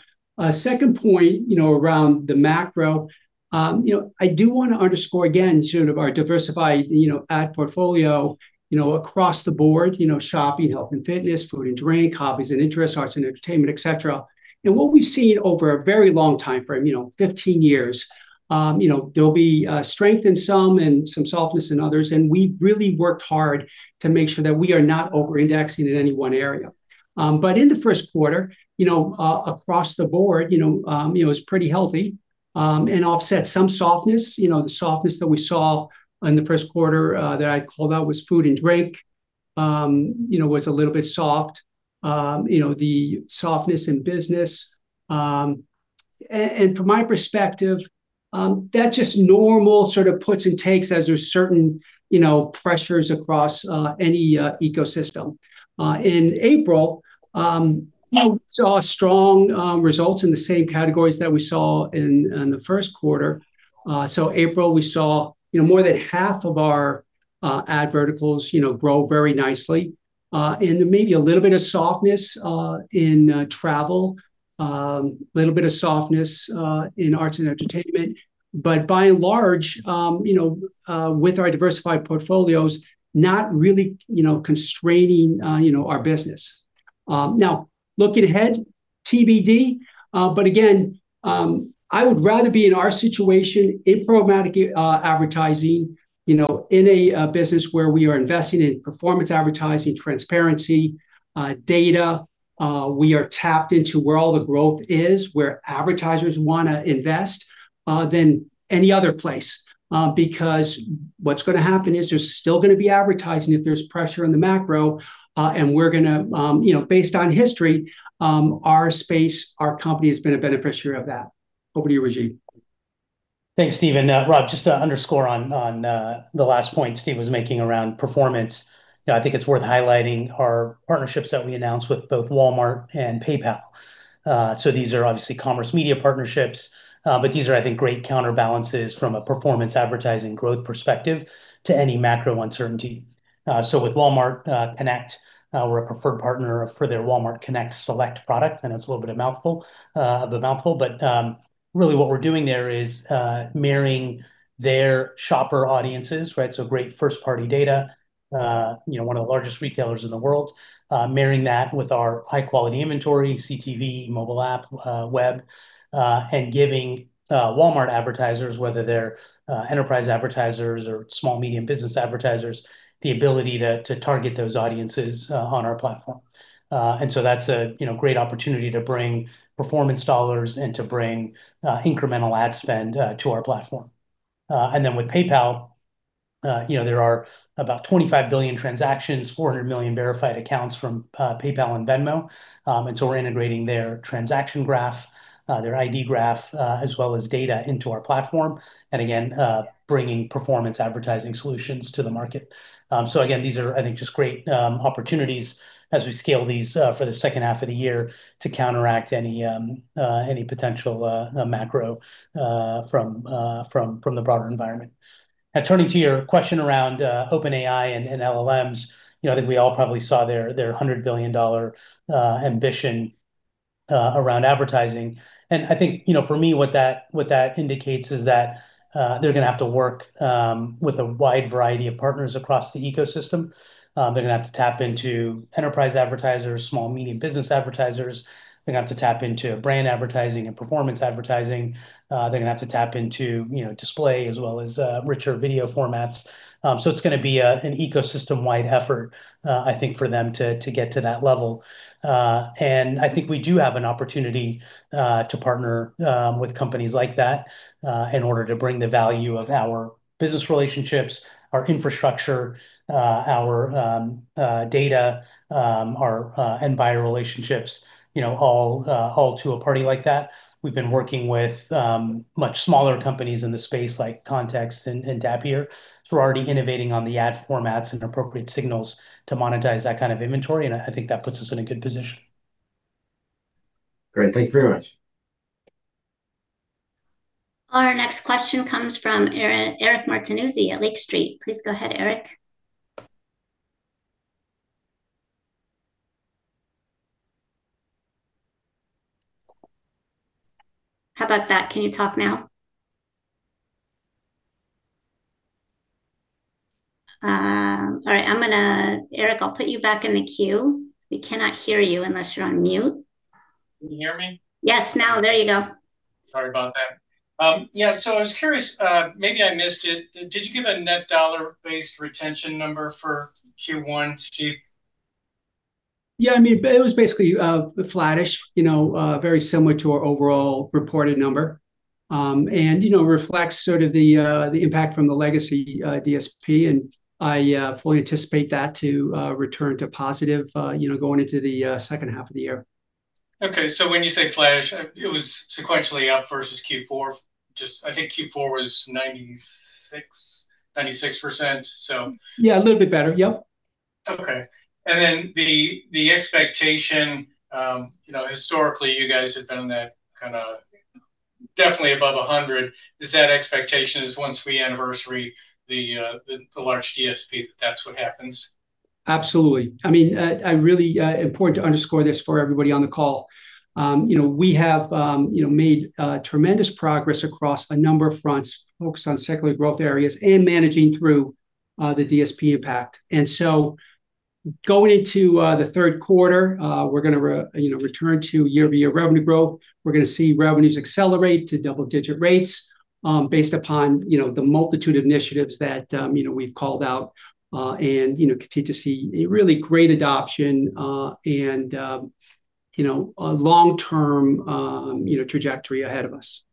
Speaker 4: second point, you know, around the macro, you know, I do wanna underscore again sort of our diversified, you know, ad portfolio, you know, across the board, you know, shopping, health and fitness, food and drink, hobbies and interests, arts and entertainment, et cetera. What we've seen over a very long timeframe, you know, 15 years, you know, there'll be strength in some and some softness in others, and we've really worked hard to make sure that we are not over-indexing in any one area. In the first quarter, you know, across the board, you know, it was pretty healthy and offset some softness. You know, the softness that we saw in the first quarter that I called out was food and drink, you know, was a little bit soft. You know, the softness in business. From my perspective, that's just normal sort of puts and takes as there's certain, you know, pressures across any ecosystem. In April, you know, we saw strong results in the same categories that we saw in the first quarter. April we saw, you know, more than 1/2 of our ad verticals, you know, grow very nicely. Maybe a little bit of softness in travel, a little bit of softness in arts and entertainment. By and large, you know, with our diversified portfolios not really, you know, constraining, you know, our business. Looking ahead TBD, again, I would rather be in our situation in programmatic advertising, you know, in a business where we are investing in performance advertising, transparency, data. We are tapped into where all the growth is, where advertisers wanna invest than any other place. What's gonna happen is there's still gonna be advertising if there's pressure in the macro, and we're gonna, you know, based on history, our space, our company has been a beneficiary of that. Over to you, Rajeev.
Speaker 3: Thanks, Steve, and Rob, just to underscore on the last point Steve was making around performance. You know, I think it's worth highlighting our partnerships that we announced with both Walmart and PayPal. These are obviously commerce media partnerships, but these are, I think, great counterbalances from a performance advertising growth perspective to any macro uncertainty. With Walmart Connect, we're a preferred partner for their Walmart Connect Select product, I know it's a little bit of a mouthful. But, really what we're doing there is marrying their shopper audiences, right? Great first-party data, you know, one of the largest retailers in the world. Marrying that with our high-quality inventory, CTV, mobile app, web, giving Walmart advertisers, whether they're enterprise advertisers or small medium business advertisers, the ability to target those audiences on our platform. That's a, you know, great opportunity to bring performance dollars and to bring incremental ad spend to our platform. With PayPal, you know, there are about 25 billion transactions, 400 million verified accounts from PayPal and Venmo. We're integrating their transaction graph, their ID graph, as well as data into our platform, and again, bringing performance advertising solutions to the market. Again, these are, I think, just great opportunities as we scale these for the second half of the year to counteract any potential macro from the broader environment. Now turning to your question around OpenAI and LLMs, you know, I think we all probably saw their their $100 billion ambition around advertising. I think, you know, for me, what that, what that indicates is that they're gonna have to work with a wide variety of partners across the ecosystem. They're gonna have to tap into enterprise advertisers, small medium business advertisers. They're gonna have to tap into brand advertising and performance advertising. They're gonna have to tap into, you know, display as well as richer video formats. it's going to be an ecosystem-wide effort, I think for them to get to that level. I think we do have an opportunity to partner with companies like that in order to bring the value of our business relationships, our infrastructure, our data, our inventory relationships, you know, all to a party like that. We've been working with much smaller companies in the space like Context and Tapier, so we're already innovating on the ad formats and appropriate signals to monetize that kind of inventory, and I think that puts us in a good position.
Speaker 8: Great. Thank you very much.
Speaker 2: Our next question comes from Eric Martinuzzi at Lake Street. Please go ahead, Eric. How about that? Can you talk now? All right. I'm gonna Eric, I'll put you back in the queue. We cannot hear you unless you're on mute.
Speaker 9: Can you hear me?
Speaker 2: Yes. Now, there you go.
Speaker 9: Sorry about that. Yeah, I was curious, maybe I missed it. Did you give a net dollar-based retention number for Q1, Steve?
Speaker 4: Yeah. I mean, it was basically flat-ish, you know, very similar to our overall reported number. You know, reflects sort of the impact from the legacy DSP, and I fully anticipate that to return to positive, you know, going into the second half of the year.
Speaker 9: Okay. When you say flat-ish, it was sequentially up versus Q4. I think Q4 was 96%.
Speaker 4: Yeah, a little bit better. Yep.
Speaker 9: Okay. The expectation, you know, historically you guys have been in that kinda definitely above 100. Is that expectation is once we anniversary the large DSP, that that's what happens?
Speaker 4: Absolutely. I mean, I really important to underscore this for everybody on the call. You know, we have, you know, made tremendous progress across a number of fronts focused on secular growth areas and managing through the DSP impact. Going into the third quarter, we're gonna you know, return to year-over-year revenue growth. We're gonna see revenues accelerate to double-digit rates, based upon, you know, the multitude of initiatives that, you know, we've called out, and you know, continue to see a really great adoption, and, you know, a long-term, you know, trajectory ahead of us.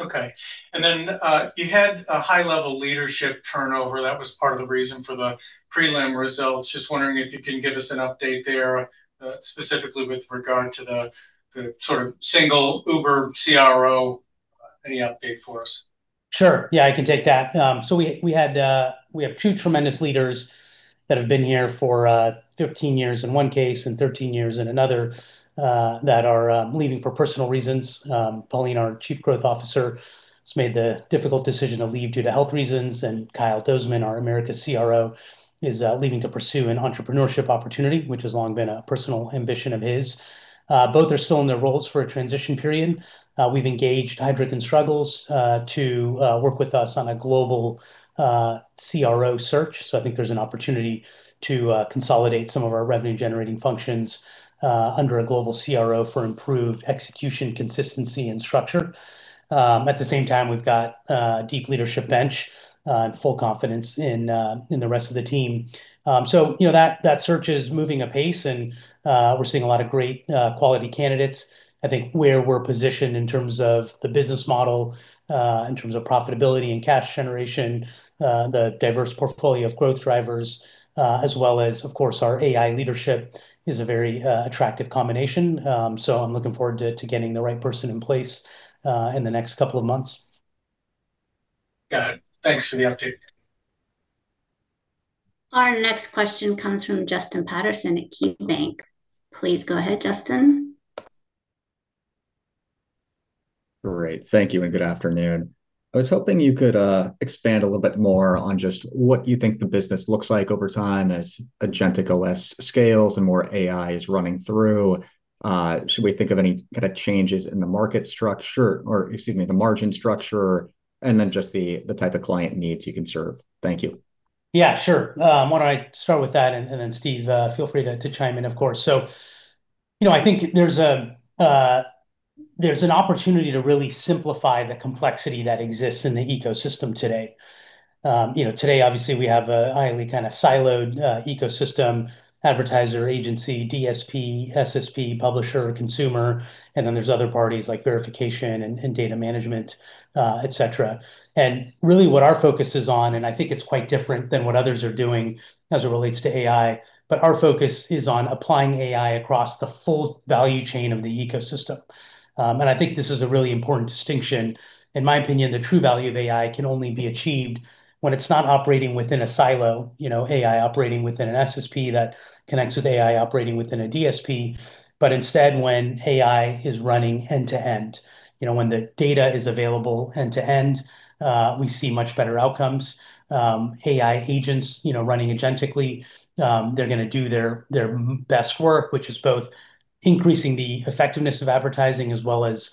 Speaker 9: Okay. You had a high-level leadership turnover that was part of the reason for the prelim results. Just wondering if you can give us an update there, specifically with regard to the sort of single uber CRO. Any update for us?
Speaker 3: Sure, yeah, I can take that. We have two tremendous leaders that have been here for 15 years in one case and 13 years in another that are leaving for personal reasons. Paulina, our Chief Growth Officer, has made the difficult decision to leave due to health reasons, and Kyle Dozeman, our America CRO, is leaving to pursue an entrepreneurship opportunity, which has long been a personal ambition of his. Both are still in their roles for a transition period. We've engaged Heidrick & Struggles to work with us on a global CRO search. I think there's an opportunity to consolidate some of our revenue-generating functions under a global CRO for improved execution, consistency and structure. At the same time, we've got deep leadership bench and full confidence in the rest of the team. You know, that search is moving apace and we're seeing a lot of great quality candidates. I think where we're positioned in terms of the business model, in terms of profitability and cash generation, the diverse portfolio of growth drivers, as well as, of course, our AI leadership is a very attractive combination. I'm looking forward to getting the right person in place in the next couple of months.
Speaker 9: Got it. Thanks for the update.
Speaker 2: Our next question comes from Justin Patterson at KeyBanc. Please go ahead, Justin.
Speaker 10: Great. Thank you and good afternoon. I was hoping you could expand a little bit more on just what you think the business looks like over time as AgenticOS scales and more AI is running through. Should we think of any kind of changes in the market structure or, excuse me, the margin structure? Just the type of client needs you can serve. Thank you.
Speaker 3: Yeah, sure. Why don't I start with that, and then Steve, feel free to chime in, of course. You know, I think there's an opportunity to really simplify the complexity that exists in the ecosystem today. You know, today obviously we have a highly kinda siloed ecosystem, advertiser, agency, DSP, SSP, publisher, consumer, and then there's other parties like verification and data management, et cetera. Really what our focus is on, and I think it's quite different than what others are doing as it relates to AI, but our focus is on applying AI across the full value chain of the ecosystem. I think this is a really important distinction. In my opinion, the true value of AI can only be achieved when it's not operating within a silo, you know, AI operating within an SSP that connects with AI operating within a DSP, but instead when AI is running end to end. You know, when the data is available end to end, we see much better outcomes. AI agents, you know, running agentically, they're gonna do their best work, which is both increasing the effectiveness of advertising as well as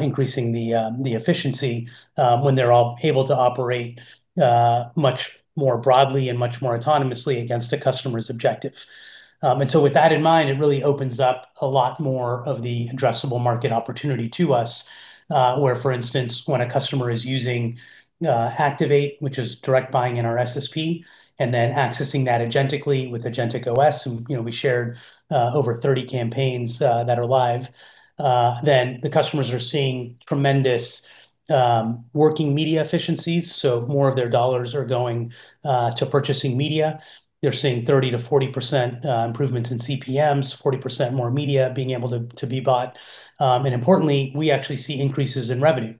Speaker 3: increasing the efficiency, when they're all able to operate much more broadly and much more autonomously against a customer's objective. With that in mind, it really opens up a lot more of the addressable market opportunity to us, where, for instance, when a customer is using Activate, which is direct buying in our SSP, and then accessing that agentically with AgenticOS, and, you know, we shared over 30 campaigns that are live, then the customers are seeing tremendous working media efficiencies, so more of their dollars are going to purchasing media. They're seeing 30%-40% improvements in CPMs, 40% more media being able to be bought. Importantly, we actually see increases in revenue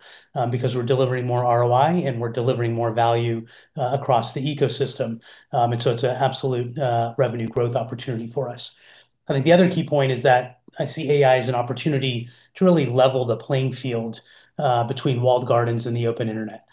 Speaker 3: because we're delivering more ROI and we're delivering more value across the ecosystem. It's an absolute revenue growth opportunity for us. I think the other key point is that I see AI as an opportunity to really level the playing field, between walled gardens and the open internet.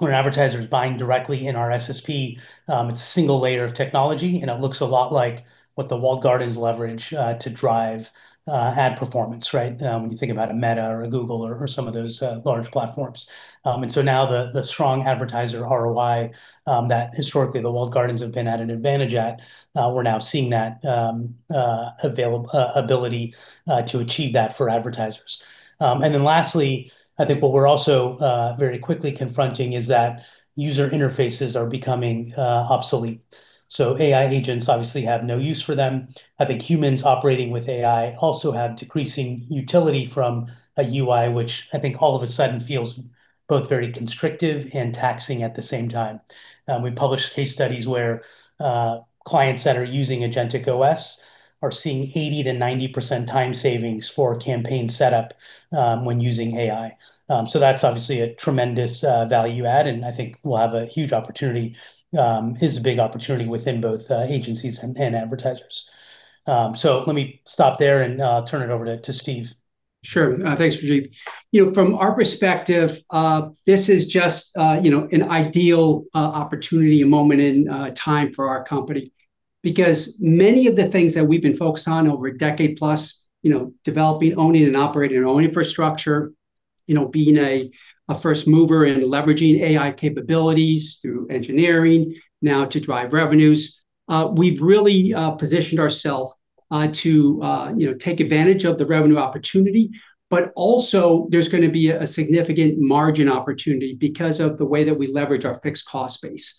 Speaker 3: When an advertiser is buying directly in our SSP, it's a single layer of technology, and it looks a lot like what the walled gardens leverage to drive ad performance, right? When you think about a Meta or a Google or some of those large platforms. Now the strong advertiser ROI that historically the walled gardens have been at an advantage at, we're now seeing that ability to achieve that for advertisers. Lastly, I think what we're also very quickly confronting is that user interfaces are becoming obsolete. AI agents obviously have no use for them. I think humans operating with AI also have decreasing utility from a UI, which I think all of a sudden feels both very constrictive and taxing at the same time. We published case studies where clients that are using AgenticOS are seeing 80%-90% time savings for campaign setup when using AI. That's obviously a tremendous value add, and I think we'll have a huge opportunity, is a big opportunity within both agencies and advertisers. Let me stop there and turn it over to Steve.
Speaker 4: Sure. Thanks, Rajeev. You know, from our perspective, this is just, you know, an ideal opportunity, a moment in time for our company because many of the things that we've been focused on over a decade plus, you know, developing, owning and operating our own infrastructure, you know, being a first mover in leveraging AI capabilities through engineering now to drive revenues, we've really positioned ourselves to, you know, take advantage of the revenue opportunity. Also, there's going to be a significant margin opportunity because of the way that we leverage our fixed cost base.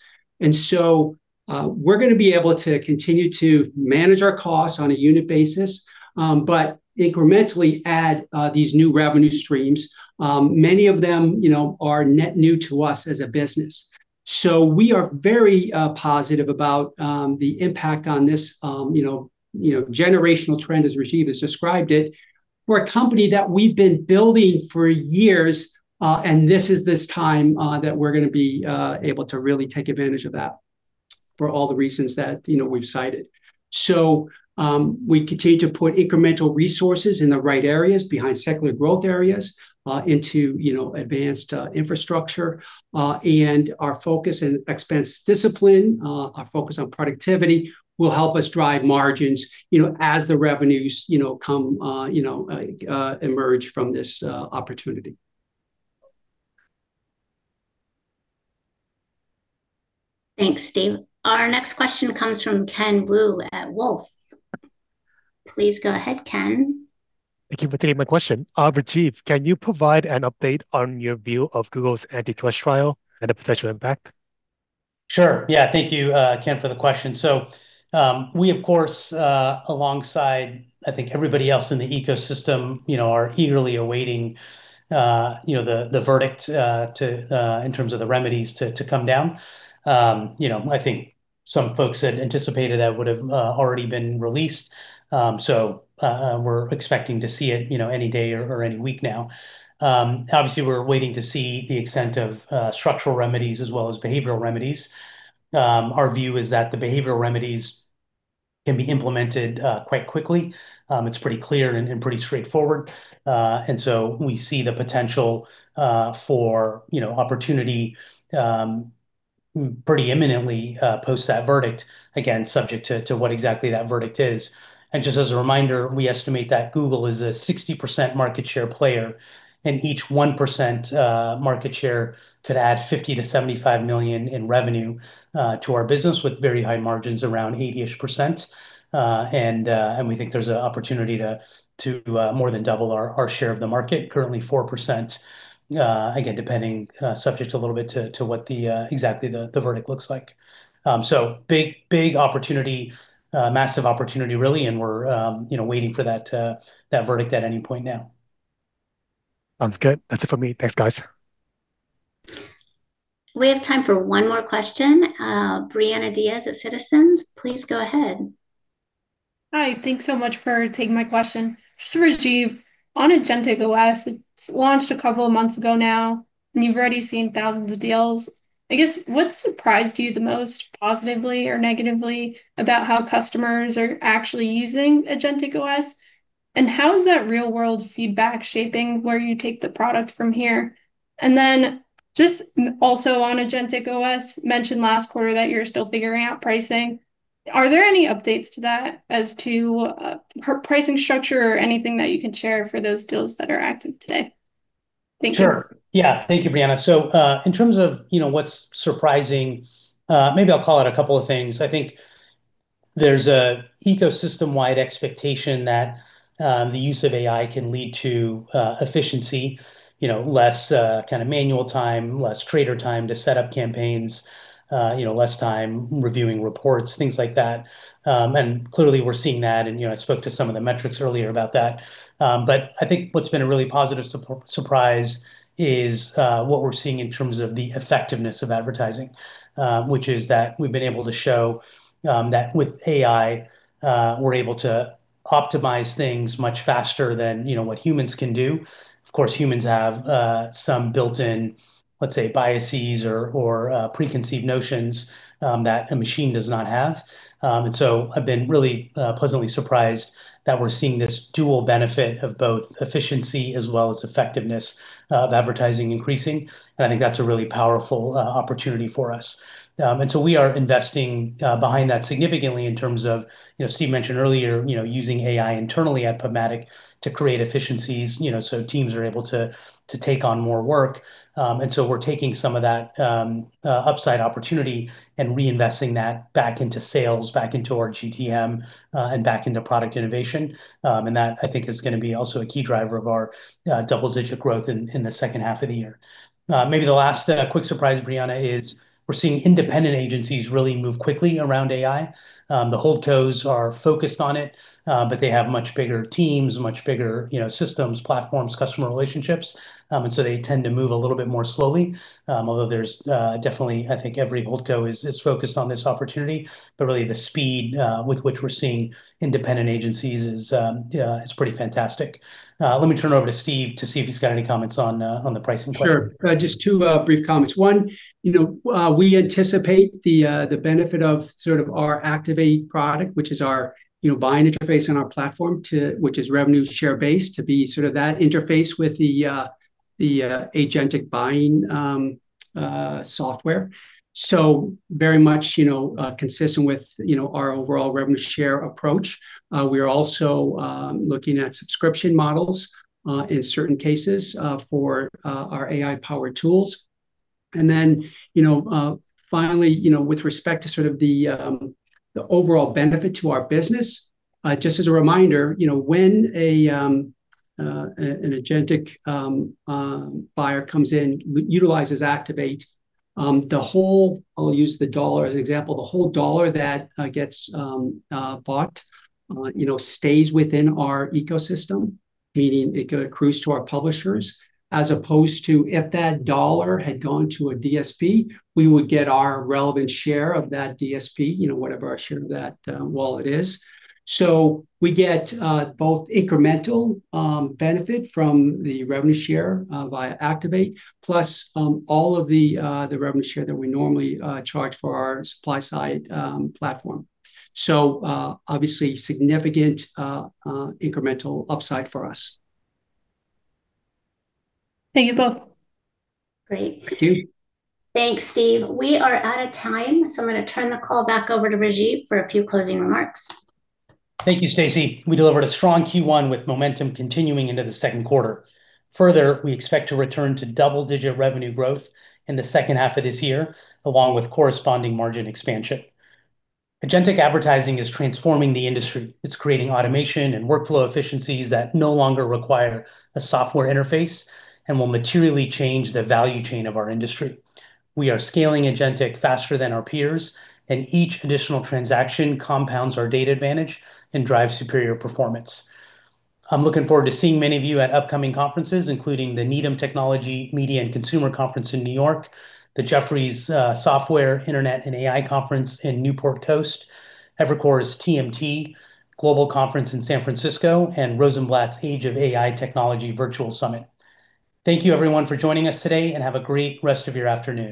Speaker 4: We're going to be able to continue to manage our costs on a unit basis, but incrementally add these new revenue streams. Many of them, you know, are net new to us as a business. We are very positive about the impact on this, you know, generational trend as Rajeev has described it. We're a company that we've been building for years, and this is this time that we're gonna be able to really take advantage of that for all the reasons that, you know, we've cited. We continue to put incremental resources in the right areas behind secular growth areas, into, you know, advanced infrastructure. Our focus and expense discipline, our focus on productivity will help us drive margins, you know, as the revenues, you know, come, you know, emerge from this opportunity.
Speaker 2: Thanks, Steve. Our next question comes from Ken Wu at Wolfe. Please go ahead, Ken.
Speaker 11: Thank you for taking my question. Rajeev, can you provide an update on your view of Google's antitrust trial and the potential impact?
Speaker 3: Sure, yeah. Thank you, Ken, for the question. We, of course, alongside, I think everybody else in the ecosystem, you know, are eagerly awaiting, you know, the verdict, to in terms of the remedies to come down. You know, I think some folks had anticipated that would have already been released. We're expecting to see it, you know, any day or any week now. Obviously we're waiting to see the extent of structural remedies as well as behavioral remedies. Our view is that the behavioral remedies can be implemented quite quickly. It's pretty clear and pretty straightforward. We see the potential for, you know, opportunity, pretty imminently, post that verdict, again, subject to what exactly that verdict is. Just as a reminder, we estimate that Google is a 60% market share player, and each 1% market share could add $50 million-$75 million in revenue to our business, with very high margins, around 80%ish. We think there's an opportunity to more than double our share of the market, currently 4%, again, depending, subject a little bit to what exactly the verdict looks like. So big, big opportunity, massive opportunity really, and we're, you know, waiting for that verdict at any point now.
Speaker 11: Sounds good. That's it for me. Thanks, guys.
Speaker 2: We have time for one more question. Brianna Diaz at Citizens, please go ahead.
Speaker 12: Hi. Thanks so much for taking my question. Rajeev, on AgenticOS, it's launched a couple of months ago now, and you've already seen 1,000s of deals. I guess, what surprised you the most positively or negatively about how customers are actually using AgenticOS? How is that real-world feedback shaping where you take the product from here? Just also on AgenticOS, you mentioned last quarter that you're still figuring out pricing. Are there any updates to that as to pricing structure or anything that you can share for those deals that are active today? Thank you.
Speaker 3: Sure. Yeah. Thank you, Brianna. In terms of, you know, what's surprising, maybe I'll call out a couple of things. I think there's a ecosystem-wide expectation that the use of AI can lead to efficiency, you know, less kind of manual time, less trader time to set up campaigns, you know, less time reviewing reports, things like that. And clearly we're seeing that and, you know, I spoke to some of the metrics earlier about that. But I think what's been a really positive surprise is what we're seeing in terms of the effectiveness of advertising, which is that we've been able to show that with AI, we're able to optimize things much faster than, you know, what humans can do. Of course, humans have some built-in, let's say, biases or preconceived notions that a machine does not have. I've been really pleasantly surprised that we're seeing this dual benefit of both efficiency as well as effectiveness of advertising increasing, and I think that's a really powerful opportunity for us. We are investing behind that significantly in terms of, you know, Steve mentioned earlier, you know, using AI internally at PubMatic to create efficiencies, you know, so teams are able to take on more work. We're taking some of that upside opportunity and reinvesting that back into sales, back into our GTM, and back into product innovation. That I think is gonna be also a key driver of our double-digit growth in the second half of the year. Maybe the last quick surprise, Brianna, is we're seeing independent agencies really move quickly around AI. The holdcos are focused on it, but they have much bigger teams, much bigger systems, platforms, customer relationships, and so they tend to move a little bit more slowly. Although there's definitely, I think every holdco is focused on this opportunity. Really the speed with which we're seeing independent agencies is pretty fantastic. Let me turn it over to Steve to see if he's got any comments on the pricing question.
Speaker 4: Sure. Just two brief comments. One, you know, we anticipate the benefit of sort of our Activate product, which is our, you know, buying interface on our platform to, which is revenue share base, to be sort of that interface with the Agentic buying software. Very much, you know, consistent with, you know, our overall revenue share approach. We are also looking at subscription models in certain cases for our AI-powered tools. Then, you know, finally, you know, with respect to sort of the overall benefit to our business, just as a reminder, you know, when an Agentic buyer comes in, utilizes Activate, the whole, I'll use the $1 as an example, the whole $1 that gets bought, you know, stays within our ecosystem, meaning it accrues to our publishers, as opposed to if that $1 had gone to a DSP, we would get our relevant share of that DSP, you know, whatever our share of that wallet is. We get both incremental benefit from the revenue share via Activate, plus all of the revenue share that we normally charge for our supply-side platform. Obviously significant incremental upside for us.
Speaker 12: Thank you both.
Speaker 2: Great.
Speaker 4: Thank you.
Speaker 2: Thanks, Steve. We are out of time, so I'm gonna turn the call back over to Rajeev for a few closing remarks.
Speaker 3: Thank you, Stacie. We delivered a strong Q1 with momentum continuing into the second quarter. We expect to return to double-digit revenue growth in the second half of this year, along with corresponding margin expansion. Agentic advertising is transforming the industry. It's creating automation and workflow efficiencies that no longer require a software interface and will materially change the value chain of our industry. We are scaling Agentic faster than our peers, and each additional transaction compounds our data advantage and drives superior performance. I'm looking forward to seeing many of you at upcoming conferences, including The Needham Technology, Media, & Consumer Conference in New York, The Jefferies Software, Internet, and AI Conference in Newport Coast, Evercore Global TMT Conference in San Francisco, and Rosenblatt's Age of AI Technology Summit. Thank you everyone for joining us today, and have a great rest of your afternoon.